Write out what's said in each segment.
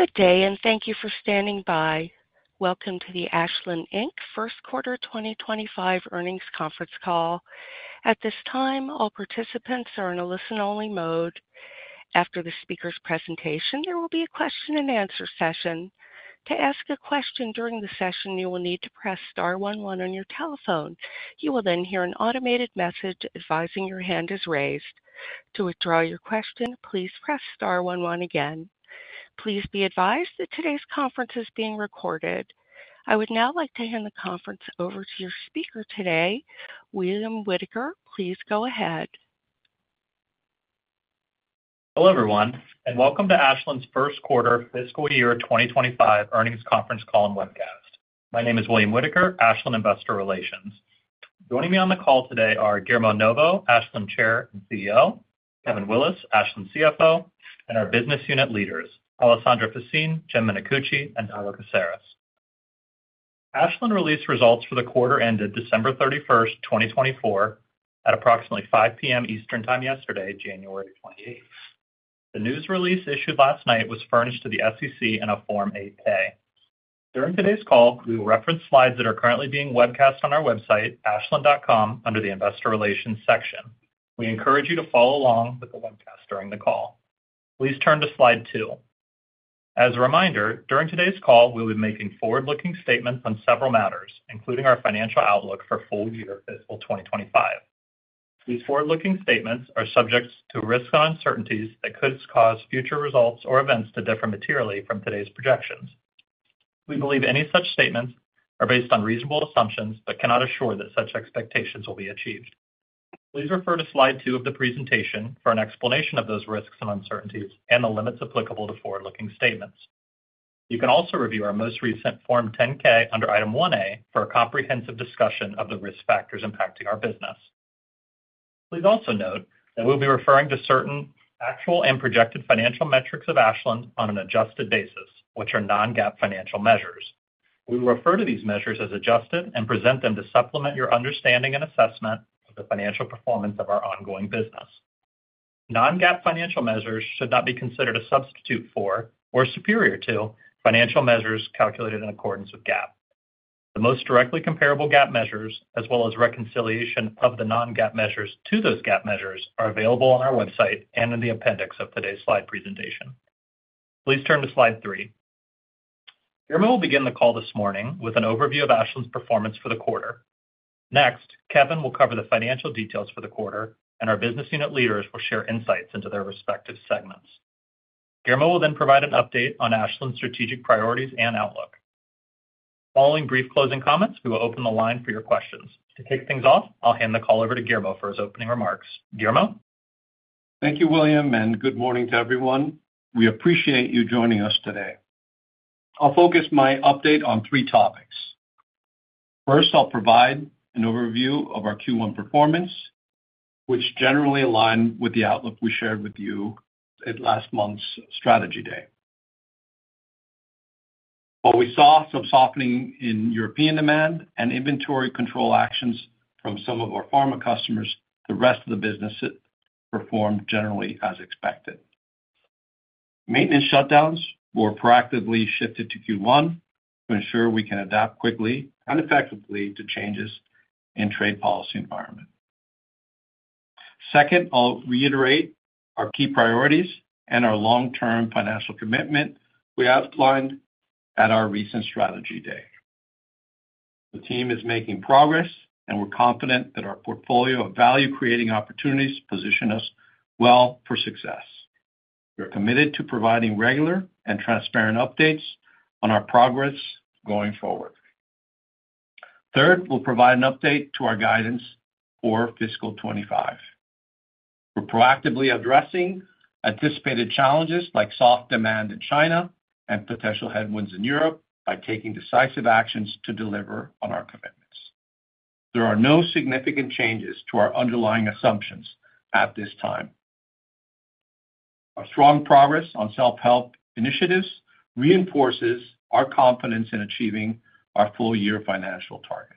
Good day, and thank you for standing by. Welcome to the Ashland Inc. First Quarter 2025 Earnings Conference Call. At this time, all participants are in a listen-only mode. After the speaker's presentation, there will be a question-and-answer session. To ask a question during the session, you will need to press star one one on your telephone. You will then hear an automated message advising your hand is raised. To withdraw your question, please press star one one again. Please be advised that today's conference is being recorded. I would now like to hand the conference over to your speaker today, William Whitaker. Please go ahead. Hello, everyone, and welcome to Ashland's First Quarter Fiscal Year 2025 earnings conference call and webcast. My name is William Whitaker, Ashland Investor Relations. Joining me on the call today are Guillermo Novo, Ashland Chair and CEO, Kevin Willis, Ashland CFO, and our business unit leaders, Alessandra Faccin, Jim Minicucci, and Dago Caceres. Ashland released results for the quarter ended December 31, 2024, at approximately 5:00 P.M. Eastern Time yesterday, January 28. The news release issued last night was furnished to the SEC in a Form 8-K. During today's call, we will reference slides that are currently being webcast on our website, ashland.com, under the Investor Relations section. We encourage you to follow along with the webcast during the call. Please turn to Slide two. As a reminder, during today's call, we will be making forward-looking statements on several matters, including our financial outlook for full year fiscal 2025. These forward-looking statements are subject to risk and uncertainties that could cause future results or events to differ materially from today's projections. We believe any such statements are based on reasonable assumptions but cannot assure that such expectations will be achieved. Please refer to slide two of the presentation for an explanation of those risks and uncertainties and the limits applicable to forward-looking statements. You can also review our most recent Form 10-K under Item 1A for a comprehensive discussion of the risk factors impacting our business. Please also note that we will be referring to certain actual and projected financial metrics of Ashland on an adjusted basis, which are non-GAAP financial measures. We will refer to these measures as adjusted and present them to supplement your understanding and assessment of the financial performance of our ongoing business. Non-GAAP financial measures should not be considered a substitute for or superior to financial measures calculated in accordance with GAAP. The most directly comparable GAAP measures, as well as reconciliation of the non-GAAP measures to those GAAP measures, are available on our website and in the appendix of today's slide presentation. Please turn to Slide three. Guillermo will begin the call this morning with an overview of Ashland's performance for the quarter. Next, Kevin will cover the financial details for the quarter, and our business unit leaders will share insights into their respective segments. Guillermo will then provide an update on Ashland's strategic priorities and outlook. Following brief closing comments, we will open the line for your questions. To kick things off, I'll hand the call over to Guillermo for his opening remarks. Guillermo? Thank you, William, and good morning to everyone. We appreciate you joining us today. I'll focus my update on three topics. First, I'll provide an overview of our Q1 performance, which generally aligned with the outlook we shared with you at last month's Strategy Day. While we saw some softening in European demand and inventory control actions from some of our pharma customers, the rest of the business performed generally as expected. Maintenance shutdowns were proactively shifted to Q1 to ensure we can adapt quickly and effectively to changes in trade policy environment. Second, I'll reiterate our key priorities and our long-term financial commitment we outlined at our recent Strategy Day. The team is making progress, and we're confident that our portfolio of value-creating opportunities position us well for success. We're committed to providing regular and transparent updates on our progress going forward. Third, we'll provide an update to our guidance for fiscal 2025. We're proactively addressing anticipated challenges like soft demand in China and potential headwinds in Europe by taking decisive actions to deliver on our commitments. There are no significant changes to our underlying assumptions at this time. Our strong progress on self-help initiatives reinforces our confidence in achieving our full-year financial targets.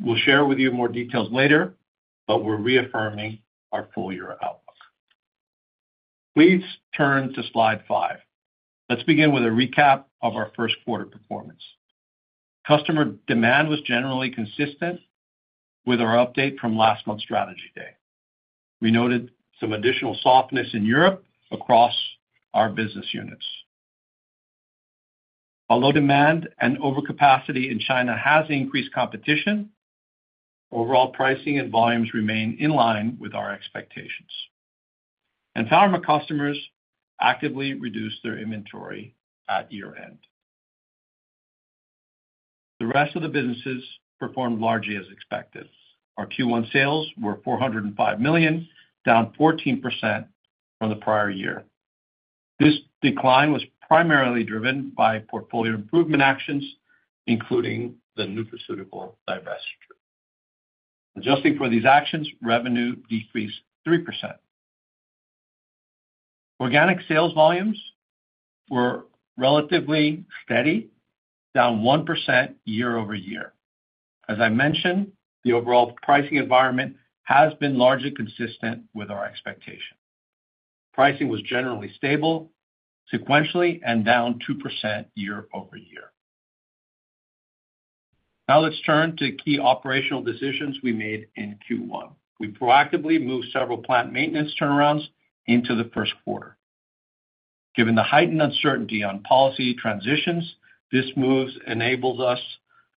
We'll share with you more details later, but we're reaffirming our full-year outlook. Please turn to Slide five. Let's begin with a recap of our first quarter performance. Customer demand was generally consistent with our update from last month's Strategy Day. We noted some additional softness in Europe across our business units. Although demand and overcapacity in China has increased competition, overall pricing and volumes remain in line with our expectations, and pharma customers actively reduced their inventory at year-end. The rest of the businesses performed largely as expected. Our Q1 sales were $405 million, down 14% from the prior year. This decline was primarily driven by portfolio improvement actions, including the nutraceutical divestiture. Adjusting for these actions, revenue decreased 3%. Organic sales volumes were relatively steady, down 1% year-over-year. As I mentioned, the overall pricing environment has been largely consistent with our expectation. Pricing was generally stable, sequentially, and down 2% year over year. Now let's turn to key operational decisions we made in Q1. We proactively moved several plant maintenance turnarounds into the first quarter. Given the heightened uncertainty on policy transitions, this move enables us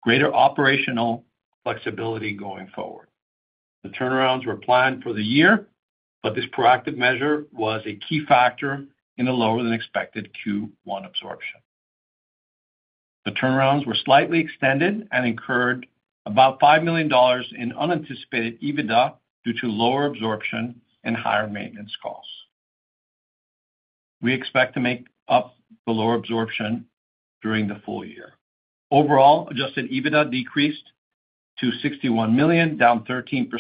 greater operational flexibility going forward. The turnarounds were planned for the year, but this proactive measure was a key factor in a lower-than-expected Q1 absorption. The turnarounds were slightly extended and incurred about $5 million in unanticipated EBITDA due to lower absorption and higher maintenance costs. We expect to make up the lower absorption during the full year. Overall, adjusted EBITDA decreased to $61 million, down 13%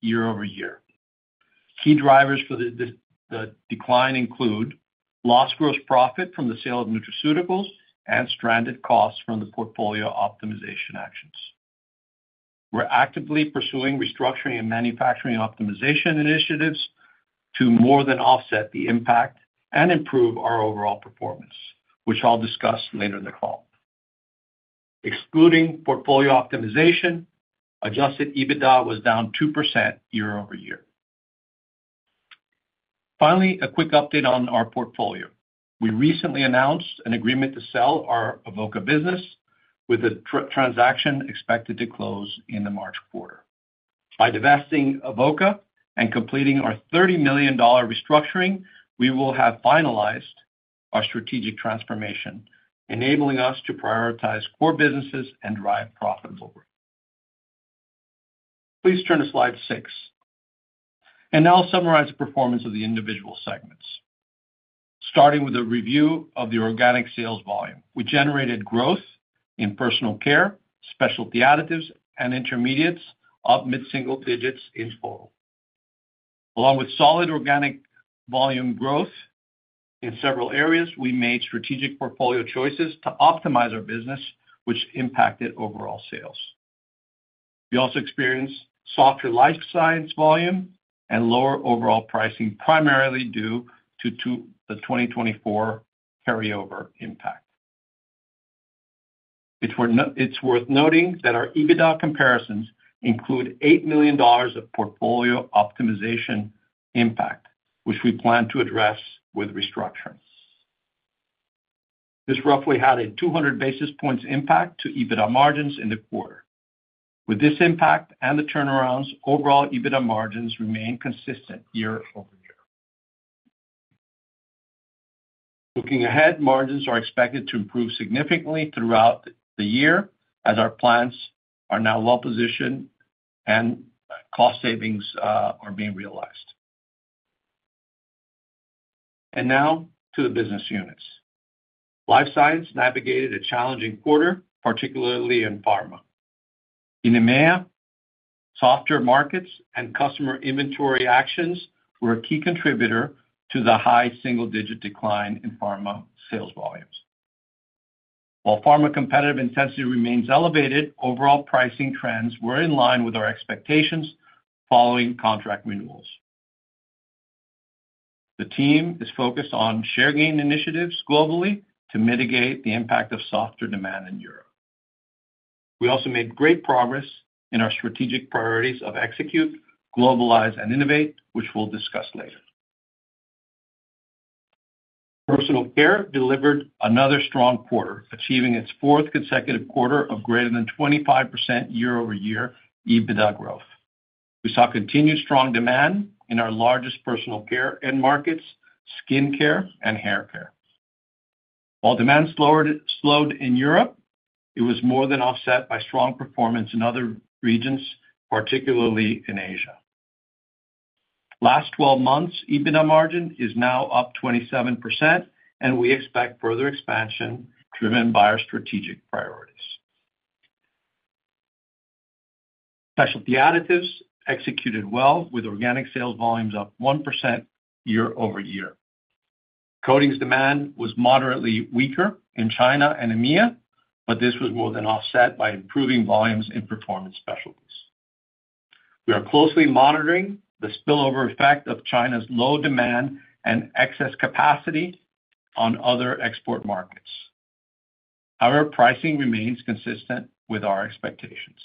year-over-year. Key drivers for the decline include lost gross profit from the sale of Nutraceuticalsand stranded costs from the portfolio optimization actions. We're actively pursuing restructuring and manufacturing optimization initiatives to more than offset the impact and improve our overall performance, which I'll discuss later in the call. Excluding portfolio optimization, adjusted EBITDA was down 2% year-over-year. Finally, a quick update on our portfolio. We recently announced an agreement to sell our Avoca business, with a transaction expected to close in the March quarter. By divesting Avoca and completing our $30 million restructuring, we will have finalized our strategic transformation, enabling us to prioritize core businesses and drive profitable growth. Please turn to slide six. And now I'll summarize the performance of the individual segments. Starting with a review of the organic sales volume, we generated growth in Personal Care, Specialty Additives, and Intermediates up mid-single digits in total. Along with solid organic volume growth in several areas, we made strategic portfolio choices to optimize our business, which impacted overall sales. We also experienced softer Life Sciences volume and lower overall pricing, primarily due to the 2024 carryover impact. It's worth noting that our EBITDA comparisons include $8 million of portfolio optimization impact, which we plan to address with restructuring. This roughly had a 200 basis points impact to EBITDA margins in the quarter. With this impact and the turnarounds, overall EBITDA margins remain consistent year-over- year. Looking ahead, margins are expected to improve significantly throughout the year as our plants are now well-positioned and cost savings are being realized. And now to the business units. Life Sciences navigated a challenging quarter, particularly in pharma. In EMEA, softer markets and customer inventory actions were a key contributor to the high single-digit decline in pharma sales volumes. While pharma competitive intensity remains elevated, overall pricing trends were in line with our expectations following contract renewals. The team is focused on share gain initiatives globally to mitigate the impact of softer demand in Europe. We also made great progress in our strategic priorities of execute, globalize, and innovate, which we'll discuss later. Personal Care delivered another strong quarter, achieving its fourth consecutive quarter of greater than 25% year-over-year EBITDA growth. We saw continued strong demand in our largest personal care end markets, skin care and hair care. While demand slowed in Europe, it was more than offset by strong performance in other regions, particularly in Asia. Last 12 months, EBITDA margin is now up 27%, and we expect further expansion driven by our strategic priorities. Specialty Additives executed well, with organic sales volumes up 1% year-over-year. Coatings demand was moderately weaker in China and EMEA, but this was more than offset by improving volumes in performance specialties. We are closely monitoring the spillover effect of China's low demand and excess capacity on other export markets. However, pricing remains consistent with our expectations.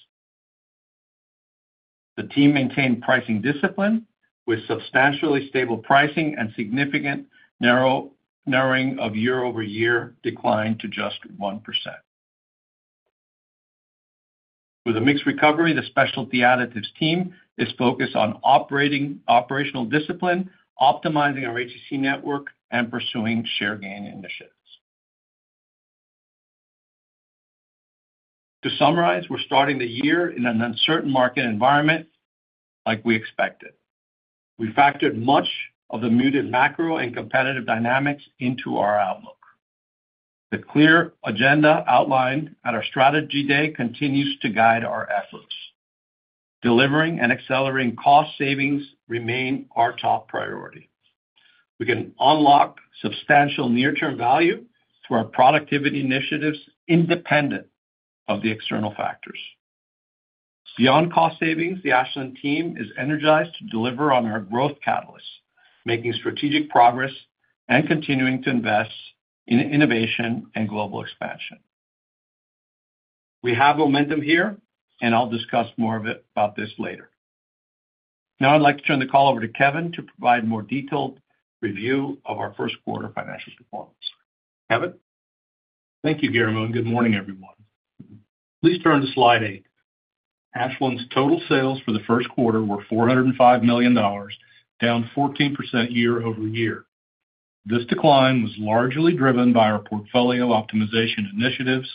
The team maintained pricing discipline with substantially stable pricing and significant narrowing of year-over-year decline to just 1%. With a mixed recovery, the specialty additives team is focused on operational discipline, optimizing our HCC network, and pursuing share gain initiatives. To summarize, we're starting the year in an uncertain market environment, like we expected. We factored much of the muted macro and competitive dynamics into our outlook. The clear agenda outlined at our Strategy Day continues to guide our efforts. Delivering and accelerating cost savings remain our top priority. We can unlock substantial near-term value through our productivity initiatives independent of the external factors. Beyond cost savings, the Ashland team is energized to deliver on our growth catalysts, making strategic progress and continuing to invest in innovation and global expansion. We have momentum here, and I'll discuss more about this later. Now I'd like to turn the call over to Kevin to provide a more detailed review of our first quarter financial performance. Kevin? Thank you, Guillermo. And good morning, everyone. Please turn to slide eight. Ashland's total sales for the first quarter were $405 million, down 14% year-over-year. This decline was largely driven by our portfolio optimization initiatives,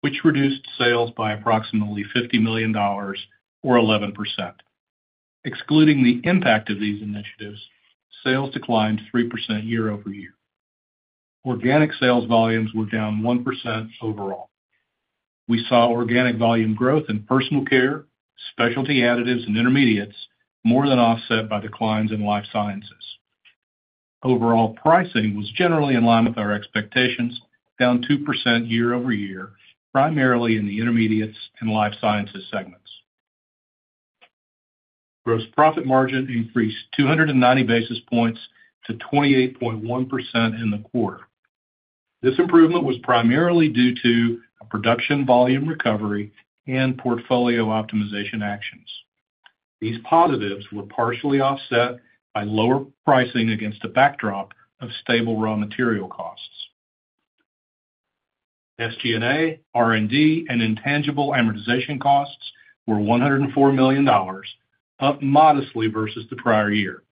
which reduced sales by approximately $50 million, or 11%. Excluding the impact of these initiatives, sales declined 3% year-over-year. Organic sales volumes were down 1% overall. We saw organic volume growth in personal care, specialty additives, and intermediates more than offset by declines in life sciences. Overall pricing was generally in line with our expectations, down 2% year-over-year, primarily in the intermediates and life sciences segments. Gross profit margin increased 290 basis points to 28.1% in the quarter. This improvement was primarily due to production volume recovery and portfolio optimization actions. These positives were partially offset by lower pricing against a backdrop of stable raw material costs. SG&A, R&D, and intangible amortization costs were $104 million, up modestly versus the prior year.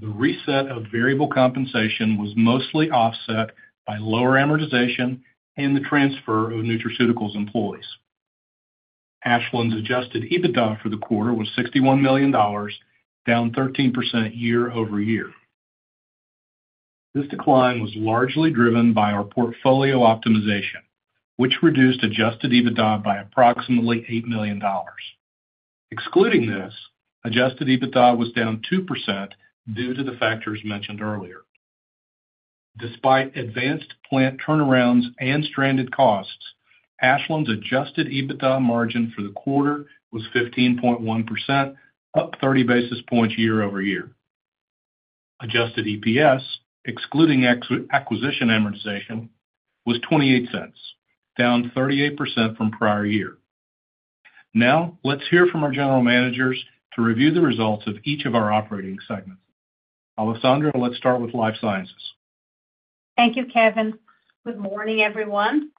The reset of variable compensation was mostly offset by lower amortization and the transfer of Nutraceuticals employees. Ashland's adjusted EBITDA for the quarter was $61 million, down 13% year-over-year. This decline was largely driven by our portfolio optimization, which reduced adjusted EBITDA by approximately $8 million. Excluding this, adjusted EBITDA was down 2% due to the factors mentioned earlier. Despite advanced plant turnarounds and stranded costs, Ashland's adjusted EBITDA margin for the quarter was 15.1%, up 30 basis points year-over-year. Adjusted EPS, excluding acquisition amortization, was $0.28, down 38% from prior year. Now let's hear from our general managers to review the results of each of our Operating segments. Alessandra, let's start with life sciences. Thank you, Kevin. Good morning, everyone.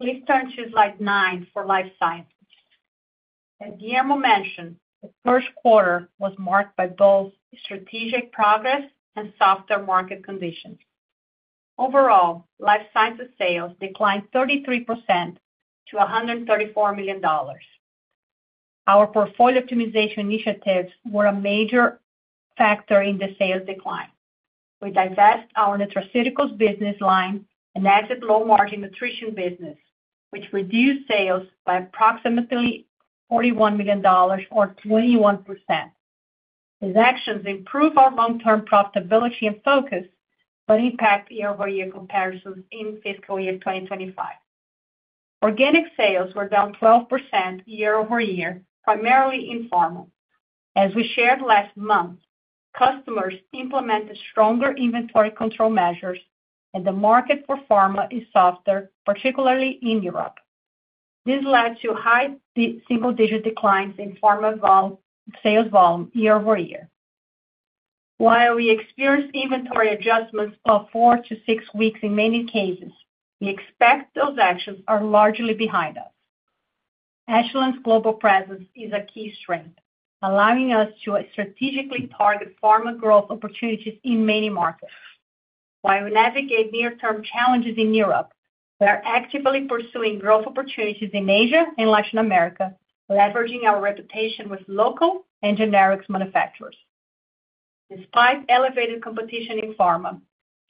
Please turn to Slide nine for Life Sciences. As Guillermo mentioned, the first quarter was marked by both strategic progress and softer market conditions. Overall, Life Sciences sales declined 33% to $134 million. Our portfolio optimization initiatives were a major factor in the sales decline. We divest our Nutraceuticals business line and exit low-margin nutrition business, which reduced sales by approximately $41 million, or 21%. These actions improve our long-term profitability and focus but impact year-over-year comparisons in fiscal year 2025. Organic sales were down 12% year-over-year, primarily in pharma. As we shared last month, customers implemented stronger inventory control measures, and the market for pharma is softer, particularly in Europe. This led to high single-digit declines in pharma sales volume year-over-year. While we experienced inventory adjustments of four to six weeks in many cases, we expect those actions are largely behind us. Ashland's global presence is a key strength, allowing us to strategically target pharma growth opportunities in many markets. While we navigate near-term challenges in Europe, we are actively pursuing growth opportunities in Asia and Latin America, leveraging our reputation with local and generic manufacturers. Despite elevated competition in pharma,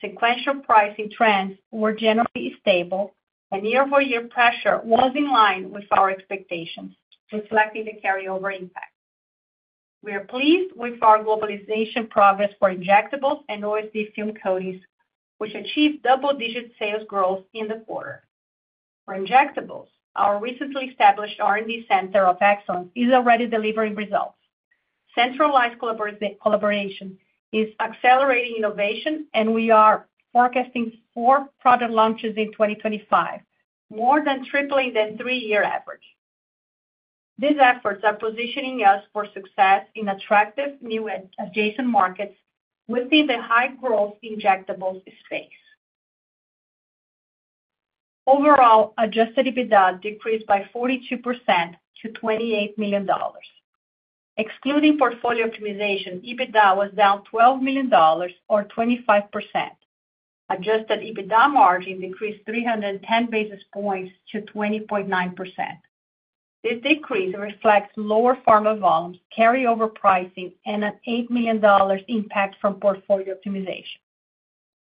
sequential pricing trends were generally stable, and year-over-year pressure was in line with our expectations, reflecting the carryover impact. We are pleased with our globalization progress for injectables and OSD film coatings, which achieved double-digit sales growth in the quarter. For injectables, our recently established R&D Center of Excellence is already delivering results. Centralized collaboration is accelerating innovation, and we are forecasting four product launches in 2025, more than tripling the three-year average. These efforts are positioning us for success in attractive new adjacent markets within the high-growth injectables space. Overall, adjusted EBITDA decreased by 42% to $28 million. Excluding portfolio optimization, EBITDA was down $12 million, or 25%. Adjusted EBITDA margin decreased 310 basis points to 20.9%. This decrease reflects lower pharma volumes, carryover pricing, and an $8 million impact from portfolio optimization.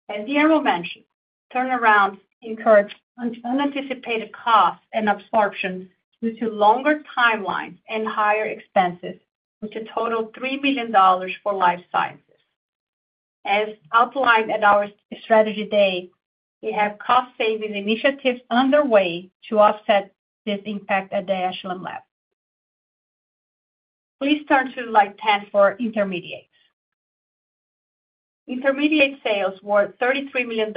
As Guillermo mentioned, turnarounds incurred unanticipated costs and absorption due to longer timelines and higher expenses, which totaled $3 million for Life Sciences. As outlined at our Strategy Day, we have cost savings initiatives underway to offset this impact at the Ashland Lab. Please turn to Slide 10 for Intermediates. Intermediates sales were $33 million,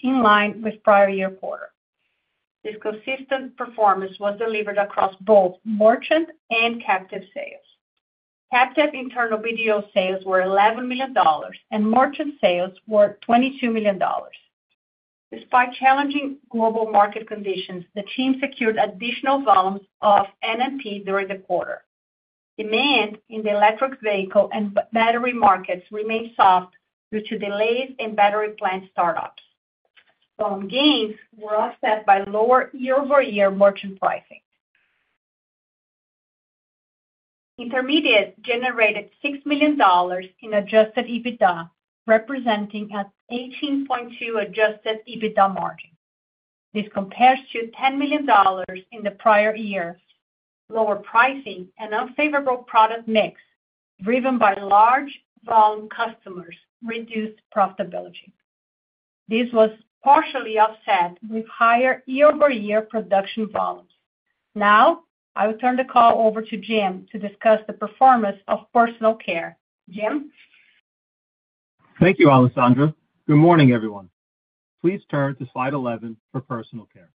in line with prior year quarter. This consistent performance was delivered across both merchant and captive sales. Captive internal volume sales were $11 million, and merchant sales were $22 million. Despite challenging global market conditions, the team secured additional volumes of NMP during the quarter. Demand in the electric vehicle and battery markets remained soft due to delays in battery plant startups. Volume gains were offset by lower year-over-year merchant pricing. Intermediates generated $6 million in Adjusted EBITDA, representing an 18.2% adjusted EBITDA margin. This compares to $10 million in the prior year. Lower pricing and unfavorable product mix, driven by large volume customers, reduced profitability. This was partially offset with higher year-over-year production volumes. Now I will turn the call over to Jim to discuss the performance of Personal Care. Jim? Thank you, Alessandra. Good morning, everyone. Please turn to Slide 11 for Personal Care.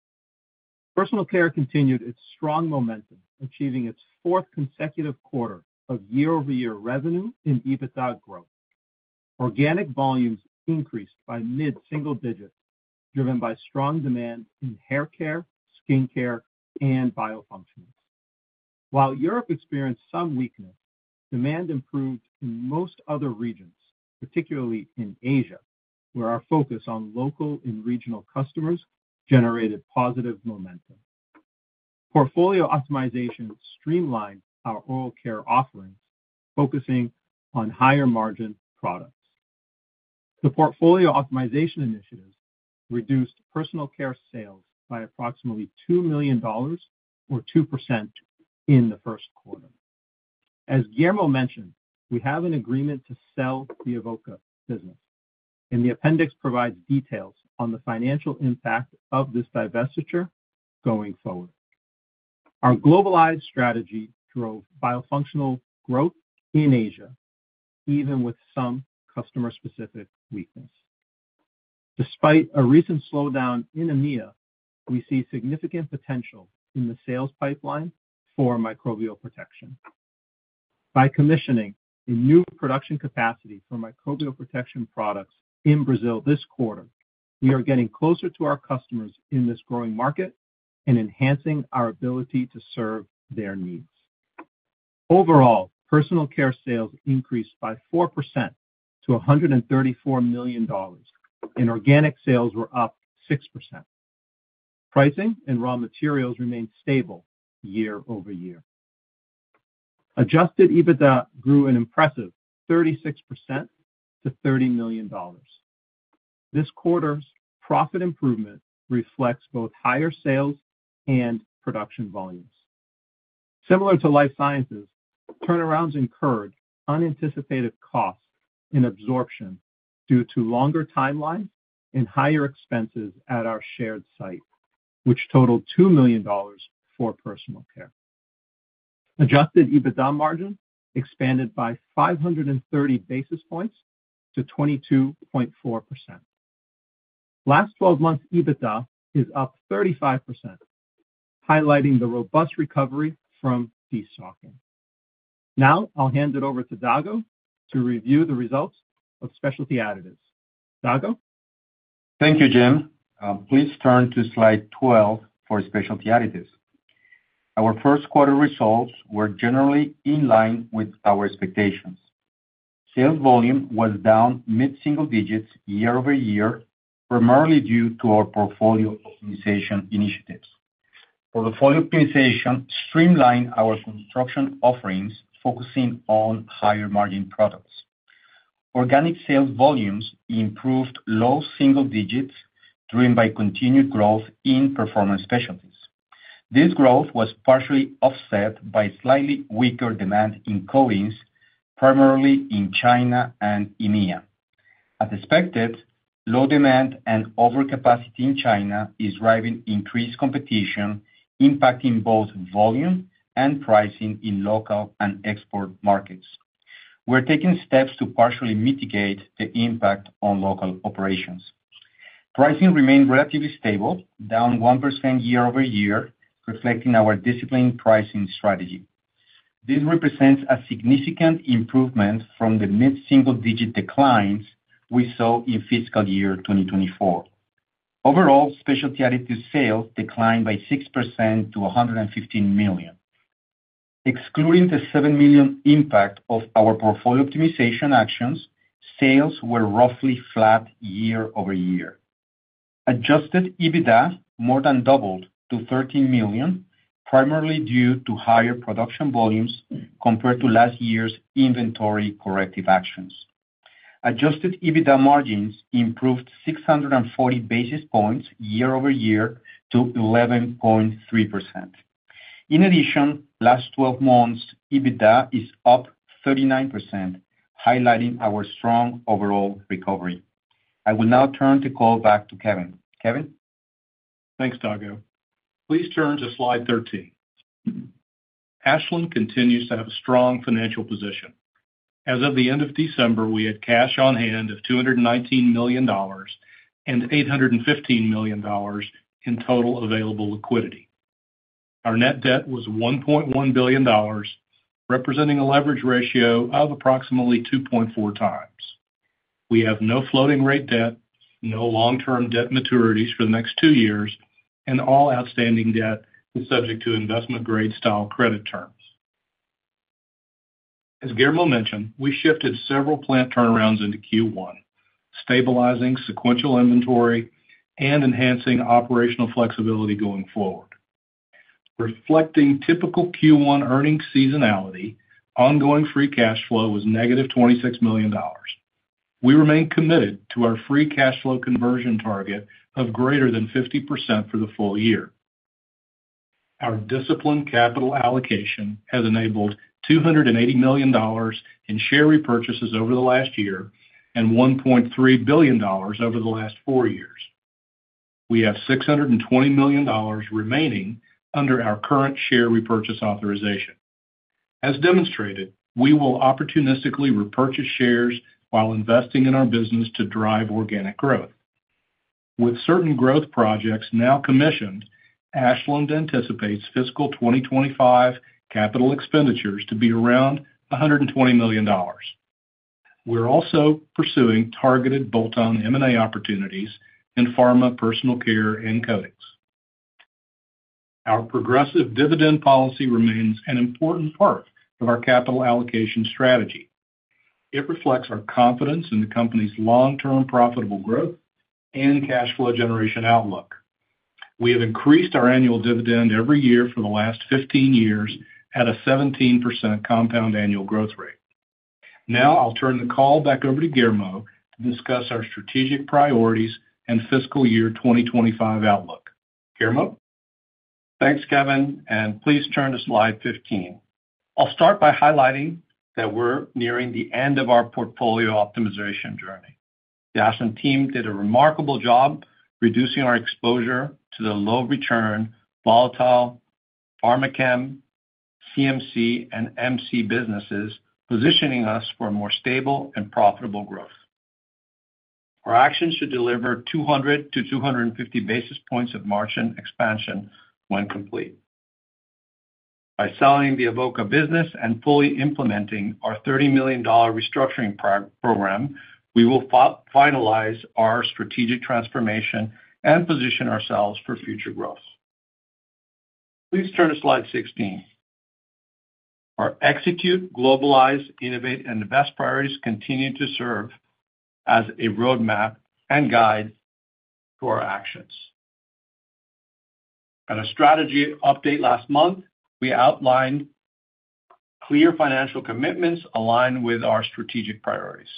Personal Care continued its strong momentum, achieving its fourth consecutive quarter of year-over-year revenue and EBITDA growth. Organic volumes increased by mid-single digits, driven by strong demand in hair care, skin care, and biofunctionals. While Europe experienced some weakness, demand improved in most other regions, particularly in Asia, where our focus on local and regional customers generated positive momentum. Portfolio optimization streamlined our oral care offerings, focusing on higher-margin products. The portfolio optimization initiatives reduced Personal Care sales by approximately $2 million, or 2%, in the first quarter. As Guillermo mentioned, we have an agreement to sell the Avoca business, and the appendix provides details on the financial impact of this divestiture going forward. Our globalized strategy drove biofunctionals growth in Asia, even with some customer-specific weakness. Despite a recent slowdown in EMEA, we see significant potential in the sales pipeline for microbial protection. By commissioning a new production capacity for microbial protection products in Brazil this quarter, we are getting closer to our customers in this growing market and enhancing our ability to serve their needs. Overall, personal care sales increased by 4% to $134 million, and organic sales were up 6%. Pricing and raw materials remained stable year-over-year. Adjusted EBITDA grew an impressive 36% to $30 million. This quarter's profit improvement reflects both higher sales and production volumes. Similar to life sciences, turnarounds incurred unanticipated costs in absorption due to longer timelines and higher expenses at our shared site, which totaled $2 million for personal care. Adjusted EBITDA margin expanded by 530 basis points to 22.4%. Last 12 months' EBITDA is up 35%, highlighting the robust recovery from de-stocking. Now I'll hand it over to Dago to review the results of Specialty Additives. Dago? Thank you, Jim. Please turn to slide 12 for Specialty Additives. Our first quarter results were generally in line with our expectations. Sales volume was down mid-single digits year-over-year, primarily due to our portfolio optimization initiatives. Portfolio optimization streamlined our construction offerings, focusing on higher-margin products. Organic sales volumes improved low single digits, driven by continued growth in performance specialties. This growth was partially offset by slightly weaker demand in coatings, primarily in China and EMEA. As expected, low demand and overcapacity in China is driving increased competition, impacting both volume and pricing in local and export markets. We are taking steps to partially mitigate the impact on local operations. Pricing remained relatively stable, down 1% year-over-year, reflecting our disciplined pricing strategy. This represents a significant improvement from the mid-single-digit declines we saw in fiscal year 2024. Overall, Specialty Additives sales declined by 6% to $115 million. Excluding the $7 million impact of our portfolio optimization actions, sales were roughly flat year-over-year. Adjusted EBITDA more than doubled to $13 million, primarily due to higher production volumes compared to last year's inventory corrective actions. Adjusted EBITDA margins improved 640 basis points year-over-year to 11.3%. In addition, last 12 months' EBITDA is up 39%, highlighting our strong overall recovery. I will now turn the call back to Kevin. Kevin? Thanks, Dago. Please turn to Slide 13. Ashland continues to have a strong financial position. As of the end of December, we had cash on hand of $219 million and $815 million in total available liquidity. Our net debt was $1.1 billion, representing a leverage ratio of approximately 2.4x. We have no floating-rate debt, no long-term debt maturities for the next two years, and all outstanding debt is subject to investment-grade style credit terms. As Guillermo mentioned, we shifted several plant turnarounds into Q1, stabilizing sequential inventory and enhancing operational flexibility going forward. Reflecting typical Q1 earnings seasonality, ongoing free cash flow was -$26 million. We remain committed to our free cash flow conversion target of greater than 50% for the full year. Our disciplined capital allocation has enabled $280 million in share repurchases over the last year and $1.3 billion over the last four years. We have $620 million remaining under our current share repurchase authorization. As demonstrated, we will opportunistically repurchase shares while investing in our business to drive organic growth. With certain growth projects now commissioned, Ashland anticipates fiscal 2025 capital expenditures to be around $120 million. We're also pursuing targeted bolt-on M&A opportunities in pharma, personal care, and coatings. Our progressive dividend policy remains an important part of our capital allocation strategy. It reflects our confidence in the company's long-term profitable growth and cash flow generation outlook. We have increased our annual dividend every year for the last 15 years at a 17% compound annual growth rate. Now I'll turn the call back over to Guillermo to discuss our strategic priorities and fiscal year 2025 outlook. Guillermo? Thanks, Kevin, and please turn to Slide 15. I'll start by highlighting that we're nearing the end of our portfolio optimization journey. The Ashland team did a remarkable job reducing our exposure to the low-return, volatile Pharmachem, CMC, and MC businesses, positioning us for more stable and profitable growth. Our actions should deliver 200 basis points-250 basis points of margin expansion when complete. By selling the Avoca business and fully implementing our $30 million restructuring program, we will finalize our strategic transformation and position ourselves for future growth. Please turn to Slide 16. Our execute, globalize, innovate, and invest priorities continue to serve as a roadmap and guide to our actions. At a strategy update last month, we outlined clear financial commitments aligned with our strategic priorities.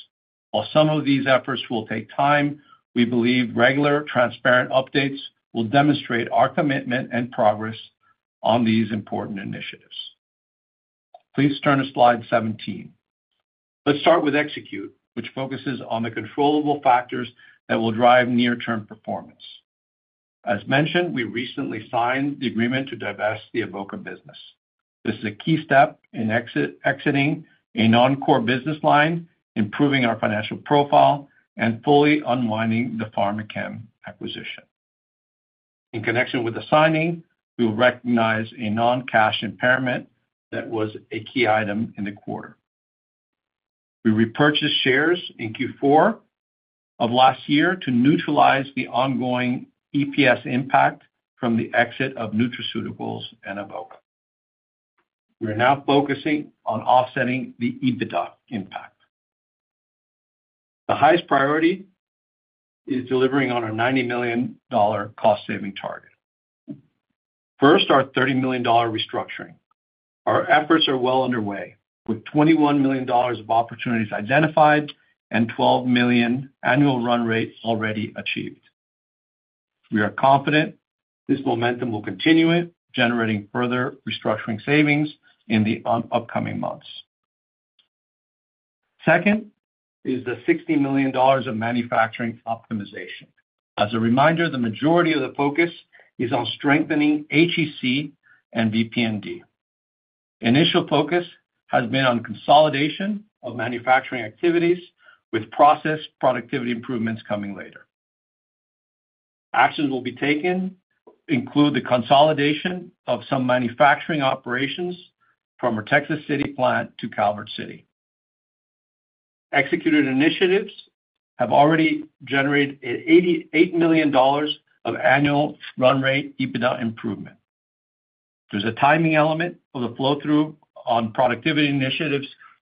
While some of these efforts will take time, we believe regular transparent updates will demonstrate our commitment and progress on these important initiatives. Please turn to Slide 17. Let's start with execute, which focuses on the controllable factors that will drive near-term performance. As mentioned, we recently signed the agreement to divest the Avoca business. This is a key step in exiting a non-core business line, improving our financial profile, and fully unwinding the Pharmachem acquisition. In connection with the signing, we will recognize a non-cash impairment that was a key item in the quarter. We repurchased shares in Q4 of last year to neutralize the ongoing EPS impact from the exit of Nutraceuticals and Avoca. We are now focusing on offsetting the EBITDA impact. The highest priority is delivering on our $90 million cost-saving target. First, our $30 million restructuring. Our efforts are well underway, with $21 million of opportunities identified and $12 million annual run rate already achieved. We are confident this momentum will continue generating further restructuring savings in the upcoming months. Second is the $60 million of manufacturing optimization. As a reminder, the majority of the focus is on strengthening HEC and VP&D. Initial focus has been on consolidation of manufacturing activities, with process productivity improvements coming later. Actions will be taken include the consolidation of some manufacturing operations from our Texas City plant to Calvert City. Executed initiatives have already generated $88 million of annual run-rate EBITDA improvement. There's a timing element of the flow-through on productivity initiatives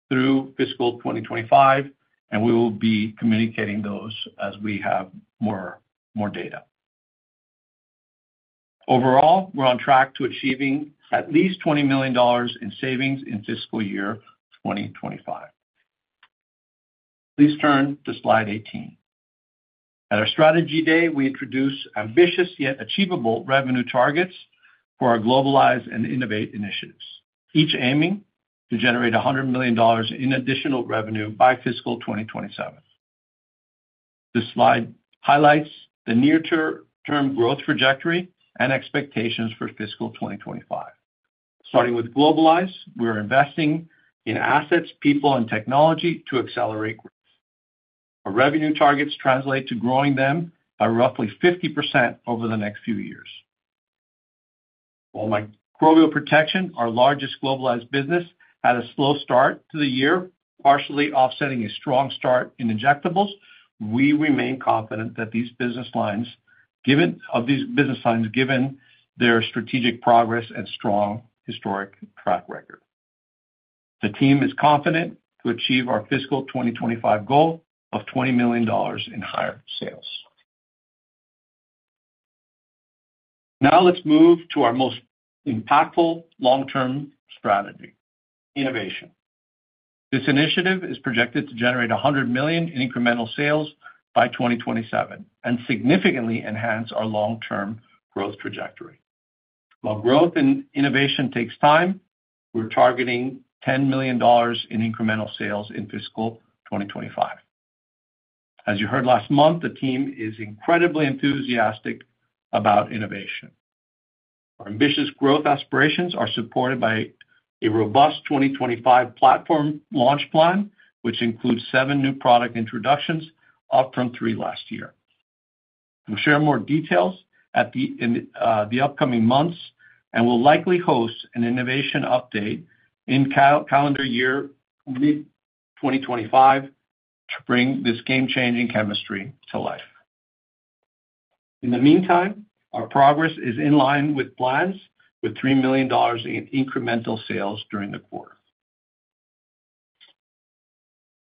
through fiscal 2025, and we will be communicating those as we have more data. Overall, we're on track to achieving at least $20 million in savings in fiscal year 2025. Please turn to Slide 18. At our Strategy Day, we introduced ambitious yet achievable revenue targets for our globalize and innovate initiatives, each aiming to generate $100 million in additional revenue by fiscal 2027. This slide highlights the near-term growth trajectory and expectations for fiscal 2025. Starting with globalized, we are investing in assets, people, and technology to accelerate growth. Our revenue targets translate to growing them by roughly 50% over the next few years. While microbial protection, our largest globalized business, had a slow start to the year, partially offsetting a strong start in injectables, we remain confident that these business lines, given their strategic progress and strong historic track record. The team is confident to achieve our fiscal 2025 goal of $20 million in higher sales. Now let's move to our most impactful long-term strategy: innovation. This initiative is projected to generate $100 million in incremental sales by 2027 and significantly enhance our long-term growth trajectory. While growth and innovation takes time, we're targeting $10 million in incremental sales in fiscal 2025. As you heard last month, the team is incredibly enthusiastic about innovation. Our ambitious growth aspirations are supported by a robust 2025 platform launch plan, which includes seven new product introductions, up from three last year. We'll share more details in the upcoming months and will likely host an innovation update in calendar year mid-2025 to bring this game-changing chemistry to life. In the meantime, our progress is in line with plans with $3 million in incremental sales during the quarter.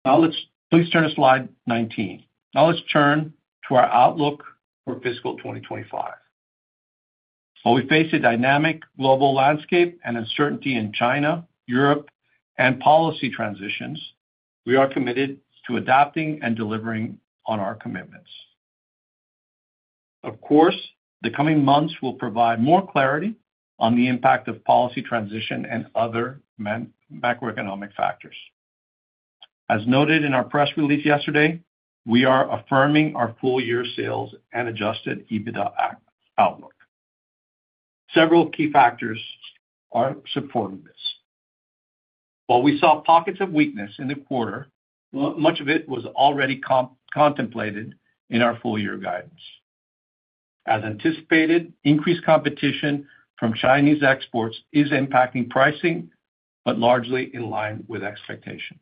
Now, let's please turn to Slide 19. Now let's turn to our outlook for fiscal 2025. While we face a dynamic global landscape and uncertainty in China, Europe, and policy transitions, we are committed to adapting and delivering on our commitments. Of course, the coming months will provide more clarity on the impact of policy transition and other macroeconomic factors. As noted in our press release yesterday, we are affirming our full-year sales and adjusted EBITDA outlook. Several key factors are supporting this. While we saw pockets of weakness in the quarter, much of it was already contemplated in our full-year guidance. As anticipated, increased competition from Chinese exports is impacting pricing, but largely in line with expectation.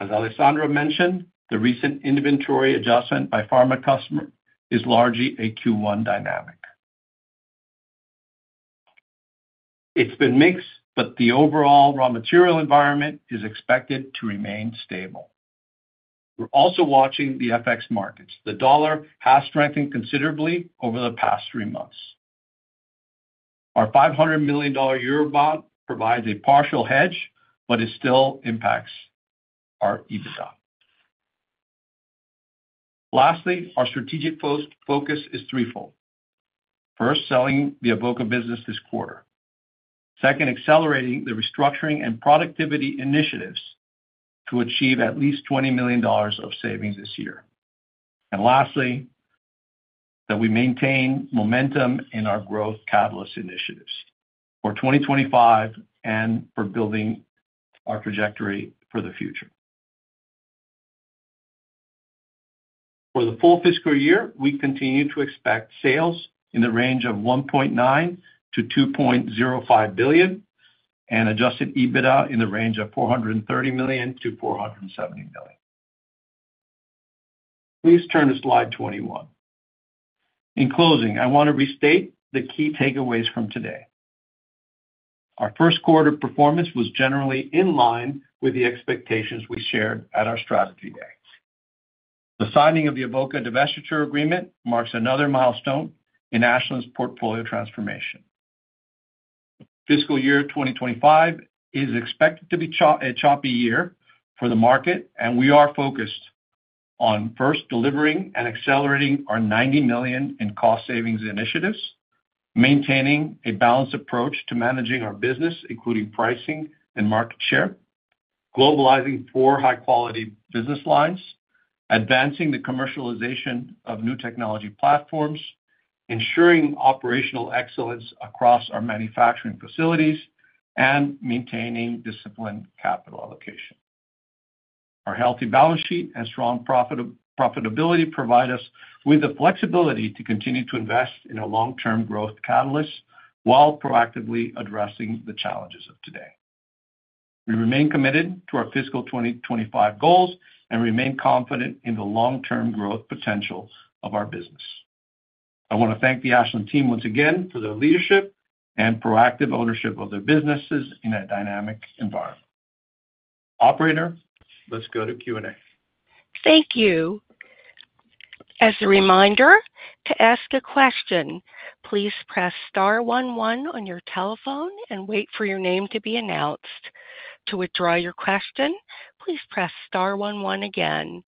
As Alessandra mentioned, the recent inventory adjustment by pharma customers is largely a Q1 dynamic. It's been mixed, but the overall raw material environment is expected to remain stable. We're also watching the FX markets. The dollar has strengthened considerably over the past three months. Our $500 million Eurobond provides a partial hedge, but it still impacts our EBITDA. Lastly, our strategic focus is threefold. First, selling the Avoca business this quarter. Second, accelerating the restructuring and productivity initiatives to achieve at least $20 million of savings this year. And lastly, that we maintain momentum in our growth catalyst initiatives for 2025 and for building our trajectory for the future. For the full fiscal year, we continue to expect sales in the range of $1.9 billion-$2.05 billion and adjusted EBITDA in the range of $430 million-$470 million. Please turn to Slide 21. In closing, I want to restate the key takeaways from today. Our first quarter performance was generally in line with the expectations we shared at our Strategy Day. The signing of the Avoca Divestiture Agreement marks another milestone in Ashland's portfolio transformation. Fiscal year 2025 is expected to be a choppy year for the market, and we are focused on, first, delivering and accelerating our $90 million in cost savings initiatives, maintaining a balanced approach to managing our business, including pricing and market share, globalizing four high-quality business lines, advancing the commercialization of new technology platforms, ensuring operational excellence across our manufacturing facilities, and maintaining disciplined capital allocation. Our healthy balance sheet and strong profitability provide us with the flexibility to continue to invest in our long-term growth catalysts while proactively addressing the challenges of today. We remain committed to our fiscal 2025 goals and remain confident in the long-term growth potential of our business. I want to thank the Ashland team once again for their leadership and proactive ownership of their businesses in a dynamic environment. Operator, let's go to Q&A. Thank you. As a reminder, to ask a question, please press star one one on your telephone and wait for your name to be announced. To withdraw your question, please press star one one again.